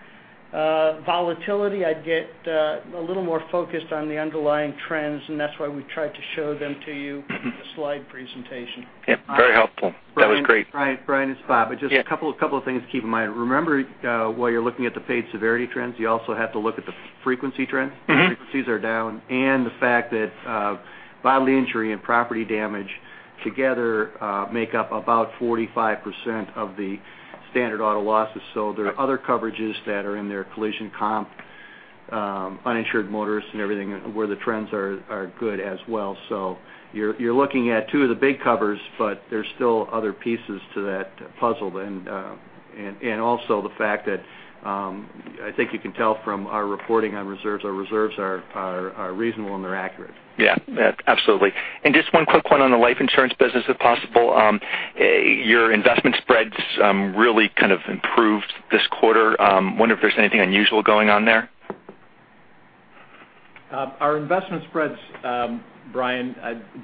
volatility. I'd get a little more focused on the underlying trends, that's why we tried to show them to you in the slide presentation. Yep, very helpful. That was great. Brian, it's Bob. Yeah. Just a couple of things to keep in mind. Remember, while you're looking at the paid severity trends, you also have to look at the frequency trends. Frequencies are down, the fact that bodily injury and property damage together make up about 45% of the standard auto losses. There are other coverages that are in there, collision, comp, uninsured motorist, and everything where the trends are good as well. You're looking at two of the big covers, but there's still other pieces to that puzzle. Also the fact that I think you can tell from our reporting on reserves, our reserves are reasonable, and they're accurate. Yeah. Absolutely. Just one quick one on the life insurance business, if possible. Your investment spreads really kind of improved this quarter. Wonder if there is anything unusual going on there. Our investment spreads, Brian,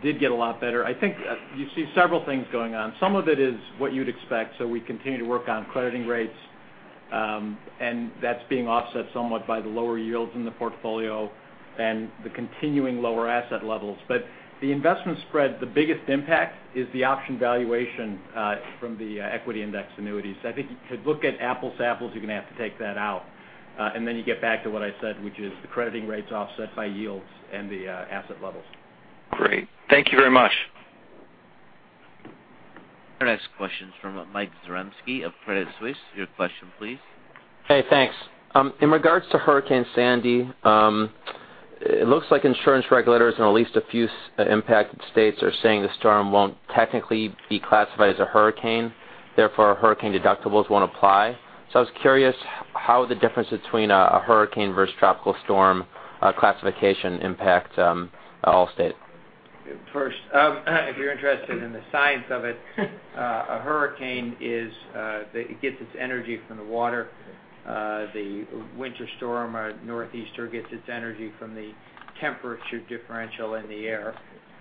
did get a lot better. I think you see several things going on. Some of it is what you'd expect. We continue to work on crediting rates, and that's being offset somewhat by the lower yields in the portfolio and the continuing lower asset levels. The investment spread, the biggest impact is the option valuation from the Equity-indexed annuities. I think if you look at apples to apples, you're going to have to take that out. You get back to what I said, which is the crediting rates offset by yields and the asset levels. Great. Thank you very much. Our next question is from Michael Zaremski of Credit Suisse. Your question, please. Hey, thanks. In regards to Hurricane Sandy, it looks like insurance regulators in at least a few impacted states are saying the storm won't technically be classified as a hurricane, therefore, hurricane deductibles won't apply. I was curious how the difference between a hurricane versus tropical storm classification impact Allstate. First if you're interested in the science of it, a hurricane gets its energy from the water. The winter storm or northeaster gets its energy from the temperature differential in the air.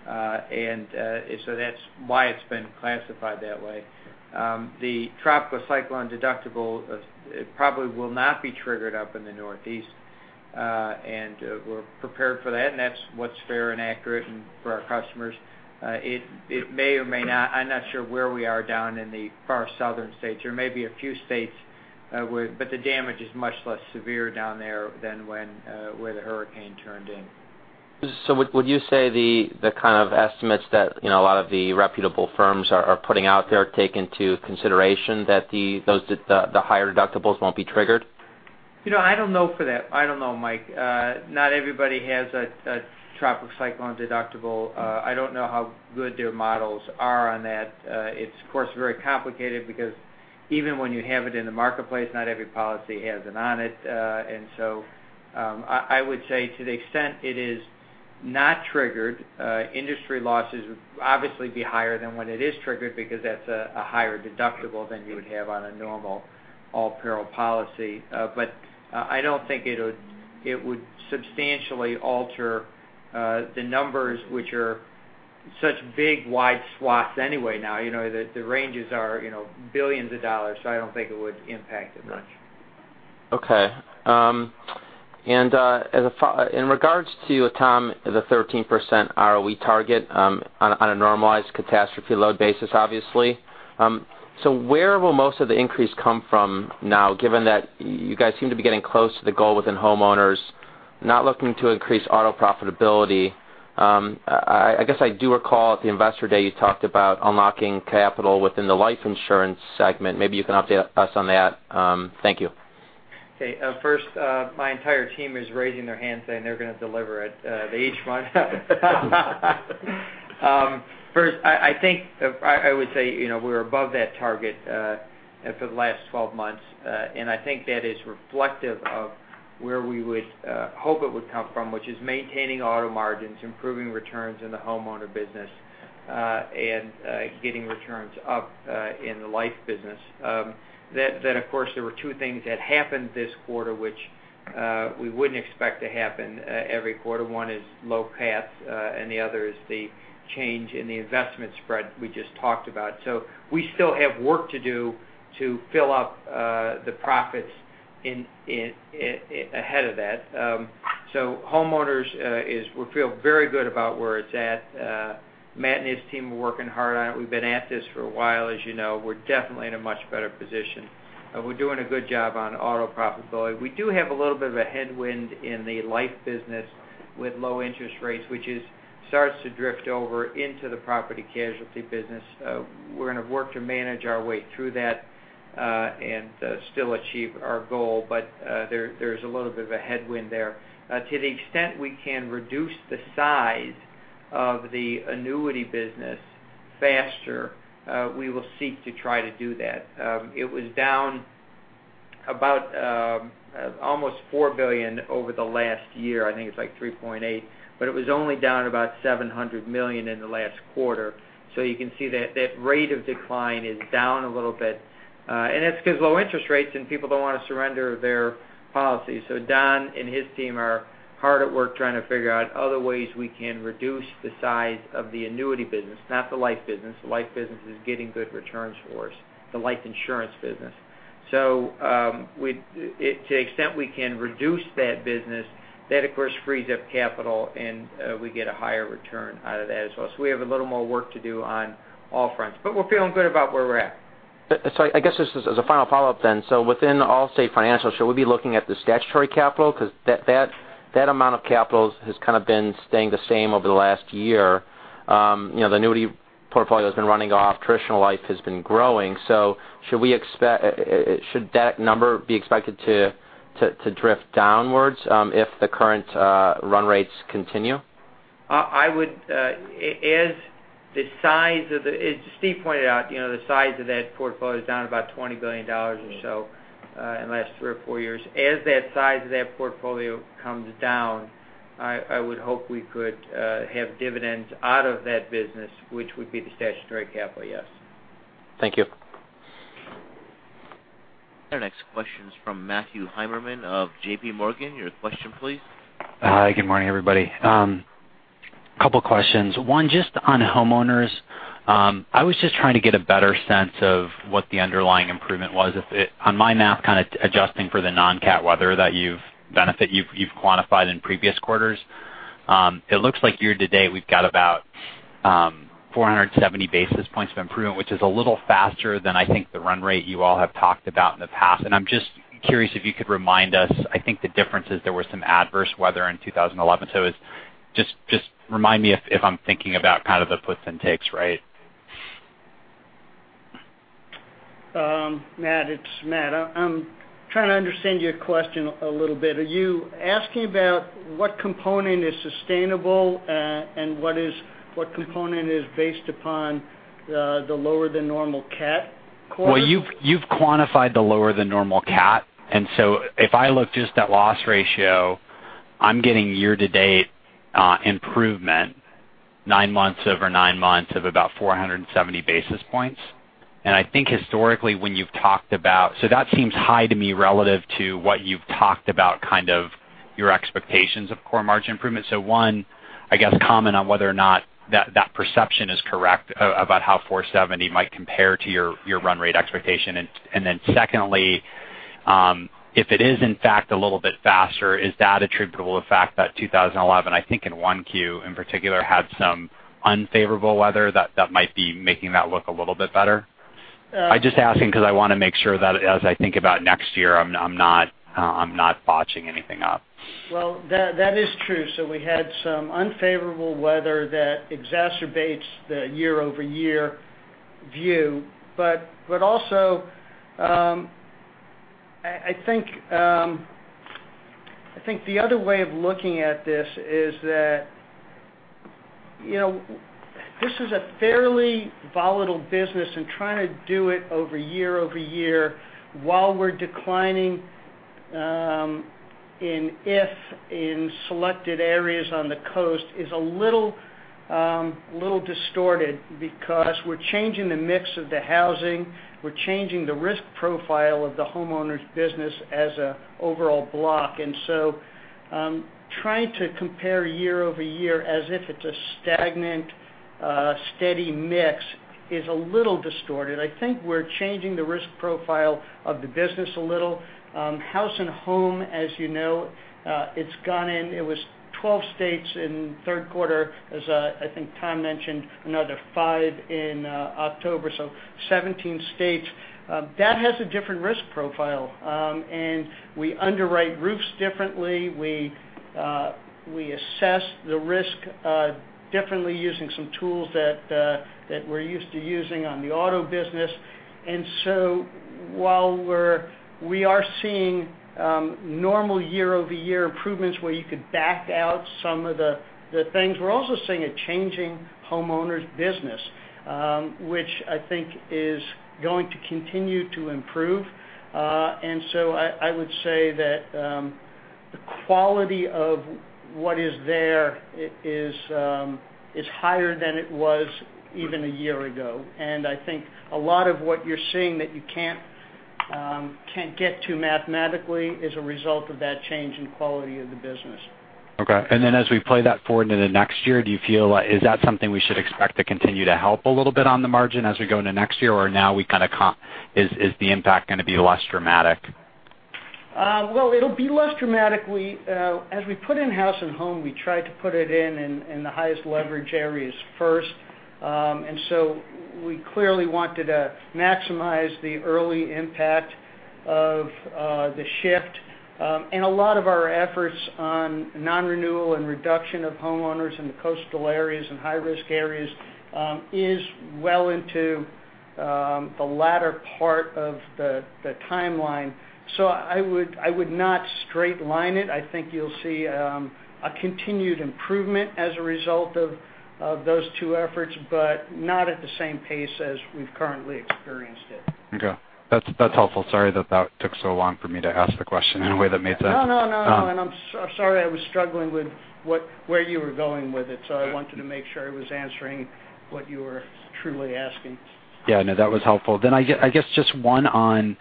That's why it's been classified that way. The tropical cyclone deductible probably will not be triggered up in the Northeast. We're prepared for that, and that's what's fair and accurate for our customers. It may or may not. I'm not sure where we are down in the far southern states. There may be a few states where, but the damage is much less severe down there than where the hurricane turned in. Would you say the kind of estimates that a lot of the reputable firms are putting out there take into consideration that the higher deductibles won't be triggered? I don't know for that. I don't know, Mike. Not everybody has a tropical cyclone deductible. I don't know how good their models are on that. It's, of course, very complicated because even when you have it in the marketplace, not every policy has it on it. I would say to the extent it is not triggered, industry losses would obviously be higher than when it is triggered because that's a higher deductible than you would have on a normal all-peril policy. I don't think it would substantially alter the numbers, which are such big, wide swaths anyway now. The ranges are billions of dollars, so I don't think it would impact it much. Okay. In regards to, Tom, the 13% ROE target on a normalized catastrophe load basis, obviously. Where will most of the increase come from now, given that you guys seem to be getting close to the goal within Homeowners, not looking to increase auto profitability. I guess I do recall at the Investor Day, you talked about unlocking capital within the life insurance segment. Maybe you can update us on that. Thank you. Okay. First, my entire team is raising their hands saying they're going to deliver it. First, I think I would say, we're above that target for the last 12 months. I think that is reflective of where we would hope it would come from, which is maintaining auto margins, improving returns in the Homeowner business, and getting returns up in the life business. Of course, there were two things that happened this quarter, which we wouldn't expect to happen every quarter. One is low CAT, and the other is the change in the investment spread we just talked about. We still have work to do to fill up the profits ahead of that. Homeowners, we feel very good about where it's at. Matt and his team are working hard on it. We've been at this for a while, as you know. We're definitely in a much better position. We're doing a good job on auto profitability. We do have a little bit of a headwind in the life business with low interest rates, which starts to drift over into the property casualty business. We're going to work to manage our way through that, and still achieve our goal, but there's a little bit of a headwind there. To the extent we can reduce the size of the annuity business faster, we will seek to try to do that. It was down about almost $4 billion over the last year. I think it's like $3.8 billion, but it was only down about $700 million in the last quarter. You can see that rate of decline is down a little bit. That's because low interest rates and people don't want to surrender their policies. Don and his team are hard at work trying to figure out other ways we can reduce the size of the annuity business, not the life business. The life business is getting good returns for us, the life insurance business. To the extent we can reduce that business, that of course frees up capital and we get a higher return out of that as well. We have a little more work to do on all fronts, but we're feeling good about where we're at. I guess this is as a final follow-up then. Within Allstate Financial, should we be looking at the statutory capital? Because that amount of capital has kind of been staying the same over the last year. The annuity portfolio's been running off, traditional life has been growing. Should that number be expected to drift downwards if the current run rates continue? As Steve pointed out, the size of that portfolio is down about $20 billion or so in the last three or four years. As that size of that portfolio comes down, I would hope we could have dividends out of that business, which would be the statutory capital, yes. Thank you. Our next question is from Matthew Heimermann of JPMorgan. Your question please. Hi, good morning, everybody. Couple of questions. One, just on Homeowners. I was just trying to get a better sense of what the underlying improvement was. On my math, kind of adjusting for the non-CAT weather that you've quantified in previous quarters. It looks like year-to-date, we've got about 470 basis points of improvement, which is a little faster than I think the run rate you all have talked about in the past. I'm just curious if you could remind us, I think the difference is there was some adverse weather in 2011. Just remind me if I'm thinking about kind of the puts and takes, right? Matt, it's Matt. I'm trying to understand your question a little bit. Are you asking about what component is sustainable and what component is based upon the lower than normal CAT quarter? You've quantified the lower than normal CAT. If I look just at loss ratio, I'm getting year-to-date improvement nine months over nine months of about 470 basis points. I think historically when you've talked about, that seems high to me relative to what you've talked about kind of your expectations of core margin improvement. One I guess, comment on whether or not that perception is correct about how 470 might compare to your run rate expectation. Then secondly, if it is in fact a little bit faster, is that attributable to the fact that 2011, I think in one Q in particular, had some unfavorable weather that might be making that look a little bit better? I'm just asking because I want to make sure that as I think about next year, I'm not botching anything up. That is true. We had some unfavorable weather that exacerbates the year-over-year view. I think the other way of looking at this is that this is a fairly volatile business, and trying to do it over year-over-year while we're declining in selected areas on the coast is a little distorted because we're changing the mix of the housing, we're changing the risk profile of the homeowners business as an overall block. Trying to compare year-over-year as if it's a stagnant, steady mix is a little distorted. I think we're changing the risk profile of the business a little. House and Home, as you know, it was 12 states in the third quarter, as I think Tom mentioned, another five in October, so 17 states. That has a different risk profile, and we underwrite roofs differently. We assess the risk differently using some tools that we're used to using on the auto business. While we are seeing normal year-over-year improvements where you could back out some of the things, we're also seeing a changing homeowners business, which I think is going to continue to improve. I would say that the quality of what is there is higher than it was even a year ago. I think a lot of what you're seeing that you can't get to mathematically is a result of that change in quality of the business. Okay. As we play that forward into next year, is that something we should expect to continue to help a little bit on the margin as we go into next year? Now is the impact going to be less dramatic? It'll be less dramatic. As we put in House and Home, we tried to put it in in the highest leverage areas first. We clearly wanted to maximize the early impact of the shift. A lot of our efforts on non-renewal and reduction of homeowners in the coastal areas and high-risk areas is well into the latter part of the timeline. I would not straight line it. I think you'll see a continued improvement as a result of those two efforts, but not at the same pace as we've currently experienced it. Okay. That's helpful. Sorry that took so long for me to ask the question in a way that made sense. No. I'm sorry I was struggling with where you were going with it. I wanted to make sure I was answering what you were truly asking. Yeah, no, that was helpful. I guess just one on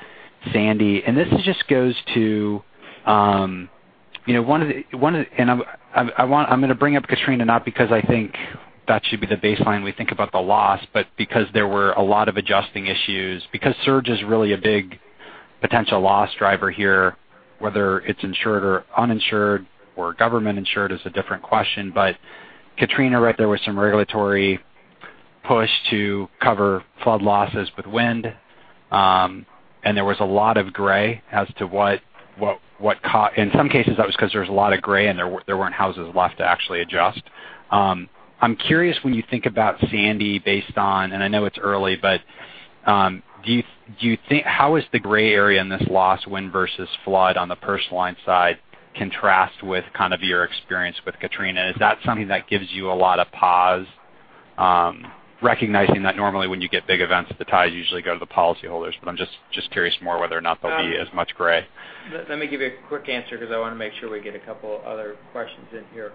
Sandy, this just goes to I'm going to bring up Katrina, not because I think that should be the baseline we think about the loss, but because there were a lot of adjusting issues, because surge is really a big potential loss driver here, whether it's insured or uninsured or government insured is a different question. Katrina, right, there was some regulatory push to cover flood losses with wind, and there was a lot of gray as to in some cases, that was because there was a lot of gray and there weren't houses left to actually adjust. I'm curious when you think about Sandy based on, I know it's early, but how is the gray area in this loss, wind versus flood on the personal line side contrast with kind of your experience with Katrina? Is that something that gives you a lot of pause, recognizing that normally when you get big events, the ties usually go to the policyholders, but I'm just curious more whether or not there'll be as much gray. Let me give you a quick answer because I want to make sure we get a couple other questions in here.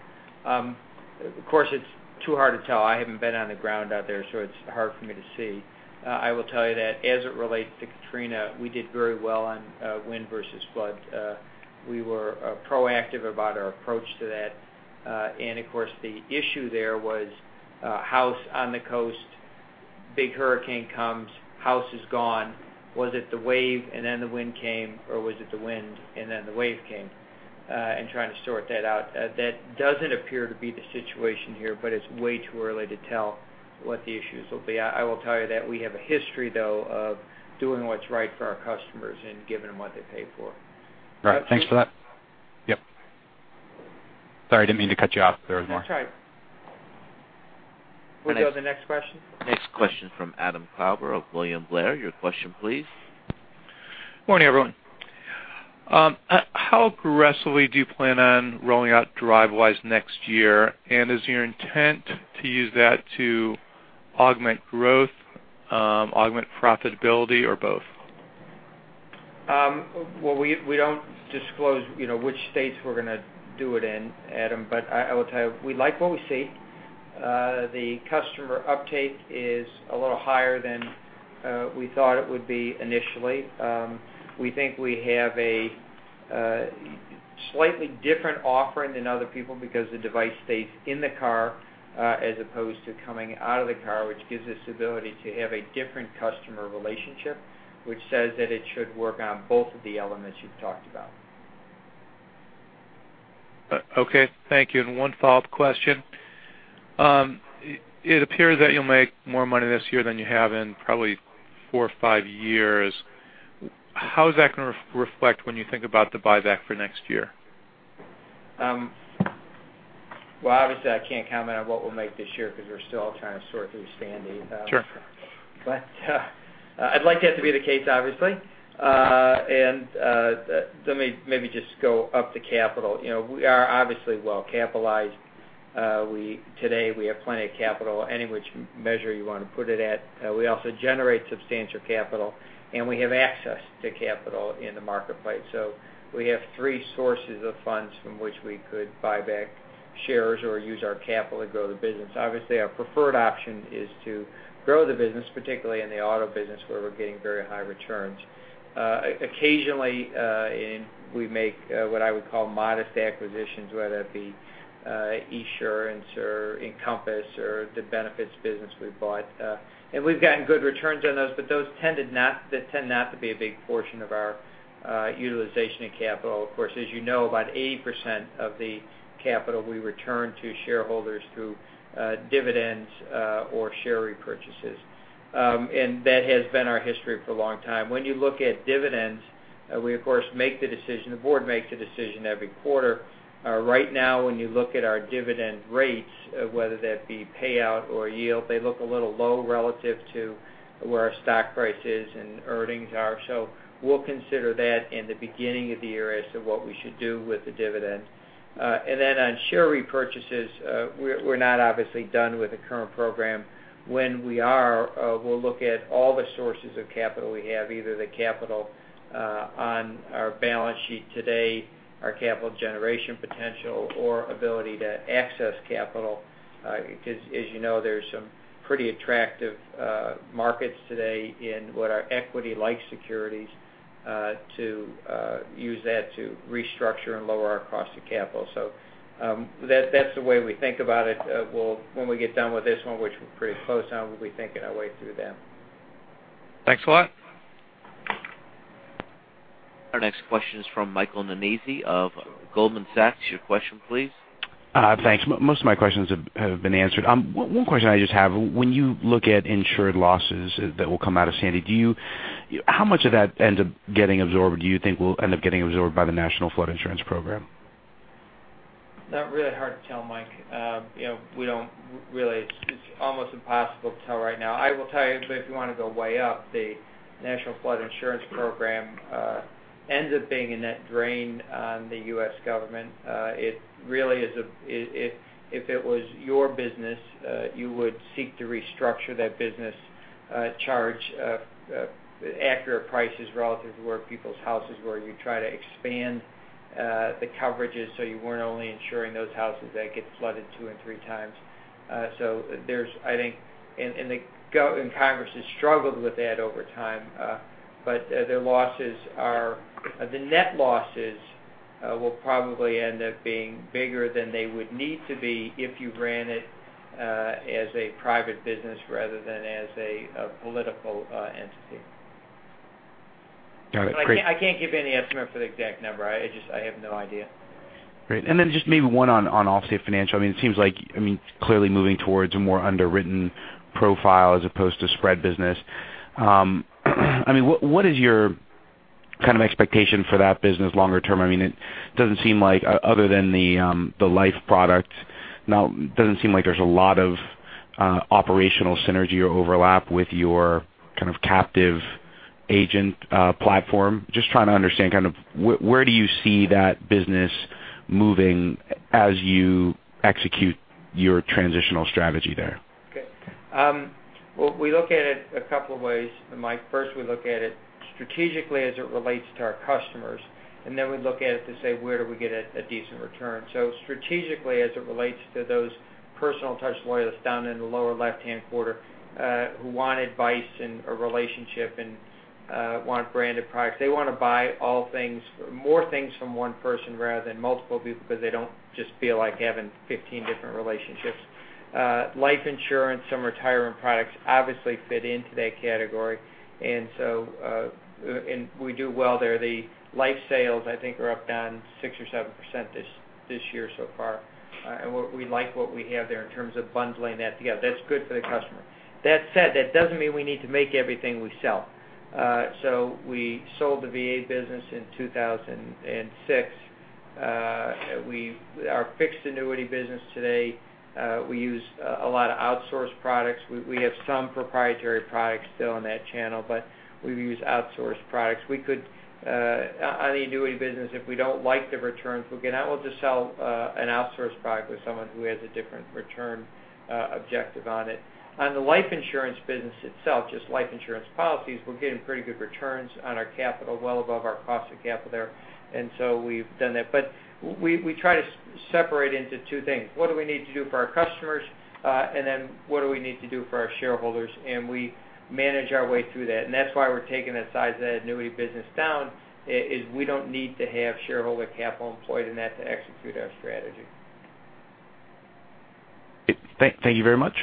Of course, it's too hard to tell. I haven't been on the ground out there, so it's hard for me to see. I will tell you that as it relates to Hurricane Katrina, we did very well on wind versus flood. We were proactive about our approach to that. Of course, the issue there was a house on the coast, big hurricane comes, house is gone. Was it the wave and then the wind came, or was it the wind and then the wave came? Trying to sort that out. That doesn't appear to be the situation here, but it's way too early to tell what the issues will be. I will tell you that we have a history, though, of doing what's right for our customers and giving them what they pay for. Right. Thanks for that. Yep. Sorry, didn't mean to cut you off if there was more. That's all right. We'll go to the next question. Next question from Adam Klauber of William Blair. Your question, please. Morning, everyone. How aggressively do you plan on rolling out Drivewise next year? Is your intent to use that to augment growth, augment profitability, or both? Well, we don't disclose which states we're going to do it in, Adam, I will tell you, we like what we see The customer uptake is a little higher than we thought it would be initially. We think we have a slightly different offering than other people because the device stays in the car as opposed to coming out of the car, which gives us the ability to have a different customer relationship, which says that it should work on both of the elements you've talked about. Okay. Thank you. One follow-up question. It appears that you'll make more money this year than you have in probably four or five years. How is that going to reflect when you think about the buyback for next year? Well, obviously, I can't comment on what we'll make this year because we're still trying to sort through Sandy. Sure. I'd like that to be the case, obviously. Let me maybe just go up to capital. We are obviously well capitalized. Today we have plenty of capital, any which measure you want to put it at. We also generate substantial capital, and we have access to capital in the marketplace. We have three sources of funds from which we could buy back shares or use our capital to grow the business. Obviously, our preferred option is to grow the business, particularly in the auto business where we're getting very high returns. Occasionally, we make what I would call modest acquisitions, whether it be Esurance or Encompass or the benefits business we bought. We've gotten good returns on those, but those tend not to be a big portion of our utilization of capital. Of course, as you know, about 80% of the capital we return to shareholders through dividends or share repurchases. That has been our history for a long time. When you look at dividends, we of course make the decision, the board makes the decision every quarter. Right now, when you look at our dividend rates, whether that be payout or yield, they look a little low relative to where our stock price is and earnings are. We'll consider that in the beginning of the year as to what we should do with the dividend. Then on share repurchases, we're not obviously done with the current program. When we are, we'll look at all the sources of capital we have, either the capital on our balance sheet today, our capital generation potential, or ability to access capital, because as you know, there's some pretty attractive markets today in what are equity-like securities, to use that to restructure and lower our cost of capital. That's the way we think about it. When we get done with this one, which we're pretty close on, we'll be thinking our way through that. Thanks a lot. Our next question is from Michael Nannizzi of Goldman Sachs. Your question, please. Thanks. Most of my questions have been answered. One question I just have, when you look at insured losses that will come out of Sandy, how much of that ends up getting absorbed, do you think will end up getting absorbed by the National Flood Insurance Program? That really hard to tell, Mike. It's almost impossible to tell right now. I will tell you, if you want to go way up, the National Flood Insurance Program ends up being a net drain on the U.S. government. If it was your business, you would seek to restructure that business, charge accurate prices relative to where people's houses were. You'd try to expand the coverages so you weren't only insuring those houses that get flooded two and three times. There's, I think, and Congress has struggled with that over time. The net losses will probably end up being bigger than they would need to be if you ran it as a private business rather than as a political entity. Got it. Great. I can't give you any estimate for the exact number. I have no idea. Great. Then just maybe one on Allstate Financial. It seems like, clearly moving towards a more underwritten profile as opposed to spread business. What is your kind of expectation for that business longer term? It doesn't seem like other than the life product now, doesn't seem like there's a lot of operational synergy or overlap with your kind of captive agent platform. Just trying to understand kind of where do you see that business moving as you execute your transitional strategy there? Okay. Well, we look at it a couple of ways, Mike. First, we look at it strategically as it relates to our customers, we look at it to say, where do we get a decent return? Strategically, as it relates to those personal touch loyalists down in the lower left-hand quarter, who want advice and a relationship and want branded products, they want to buy all things, more things from one person rather than multiple people because they don't just feel like having 15 different relationships. Life insurance and retirement products obviously fit into that category. We do well there. The life sales, I think, are up down 6% or 7% this year so far. We like what we have there in terms of bundling that together. That's good for the customer. That said, that doesn't mean we need to make everything we sell. We sold the VA business in 2006. Our fixed annuity business today, we use a lot of outsourced products. We have some proprietary products still in that channel, but we use outsourced products. On the annuity business, if we don't like the returns we're getting, I will just sell an outsourced product with someone who has a different return objective on it. On the life insurance business itself, just life insurance policies, we're getting pretty good returns on our capital, well above our cost of capital there. We've done that. We try to separate into two things. What do we need to do for our customers? What do we need to do for our shareholders? We manage our way through that. That's why we're taking the size of that annuity business down, is we don't need to have shareholder capital employed in that to execute our strategy. Great. Thank you very much.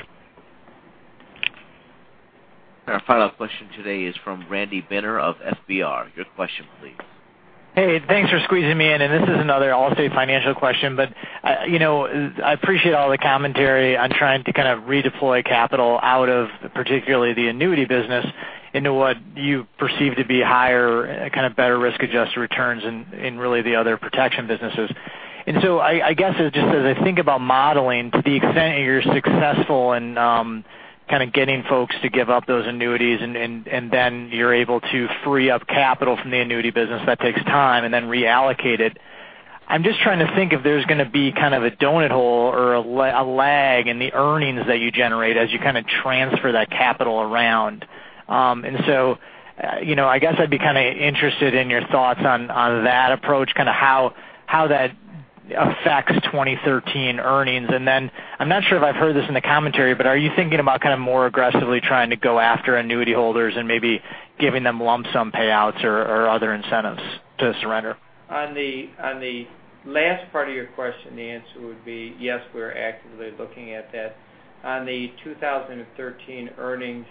Our final question today is from Randy Binner of FBR. Your question, please. Hey, thanks for squeezing me in. This is another Allstate Financial question. I appreciate all the commentary on trying to kind of redeploy capital out of particularly the annuity business into what you perceive to be higher, kind of better risk-adjusted returns in really the other protection businesses. I guess just as I think about modeling, to the extent you're successful in kind of getting folks to give up those annuities and then you're able to free up capital from the annuity business, that takes time, and then reallocate it. I'm just trying to think if there's going to be kind of a donut hole or a lag in the earnings that you generate as you kind of transfer that capital around. I guess I'd be kind of interested in your thoughts on that approach, kind of how that affects 2013 earnings. I'm not sure if I've heard this in the commentary, are you thinking about kind of more aggressively trying to go after annuity holders and maybe giving them lump sum payouts or other incentives to surrender? On the last part of your question, the answer would be yes, we're actively looking at that. On the 2013 earnings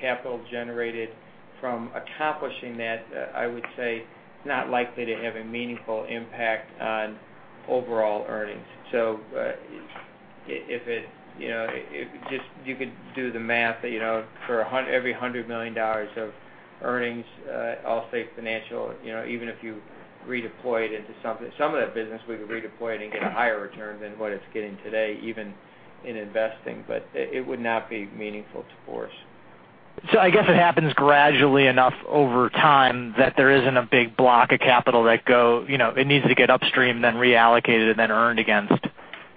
capital generated from accomplishing that, I would say it's not likely to have a meaningful impact on overall earnings. If you could do the math for every $100 million of earnings, Allstate Financial, even if you redeploy it into something, some of that business we could redeploy it and get a higher return than what it's getting today, even in investing. It would not be meaningful to force. I guess it happens gradually enough over time that there isn't a big block of capital that go. It needs to get upstream, then reallocated, and then earned against.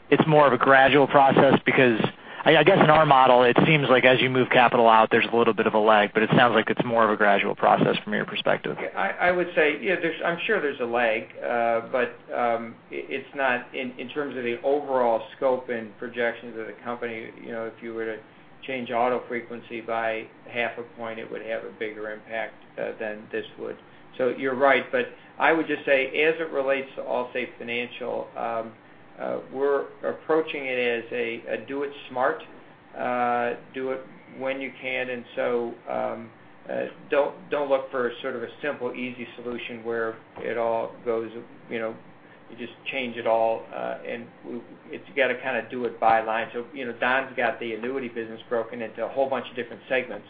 It's more of a gradual process because I guess in our model, it seems like as you move capital out, there's a little bit of a lag, but it sounds like it's more of a gradual process from your perspective. I would say, I'm sure there's a lag. In terms of the overall scope and projections of the company, if you were to change auto frequency by half a point, it would have a bigger impact than this would. You're right. I would just say, as it relates to Allstate Financial, we're approaching it as a do it smart, do it when you can. Don't look for sort of a simple, easy solution where you just change it all. You got to kind of do it by line. Don's got the annuity business broken into a whole bunch of different segments.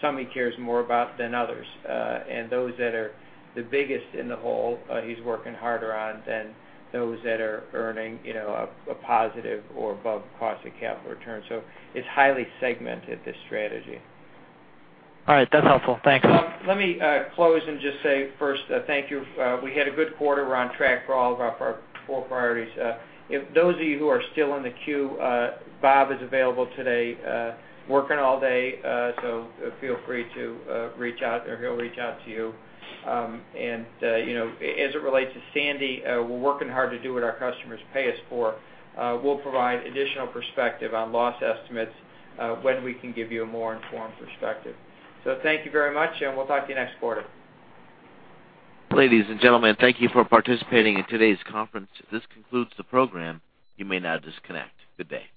Some he cares more about than others. Those that are the biggest in the hole he's working harder on than those that are earning a positive or above cost of capital return. It's highly segmented, this strategy. All right. That's helpful. Thanks. Let me close and just say first, thank you. We had a good quarter. We're on track for all of our four priorities. Those of you who are still in the queue, Bob is available today working all day. Feel free to reach out, or he'll reach out to you. As it relates to Sandy, we're working hard to do what our customers pay us for. We'll provide additional perspective on loss estimates when we can give you a more informed perspective. Thank you very much, and we'll talk to you next quarter. Ladies and gentlemen, thank you for participating in today's conference. This concludes the program. You may now disconnect. Good day.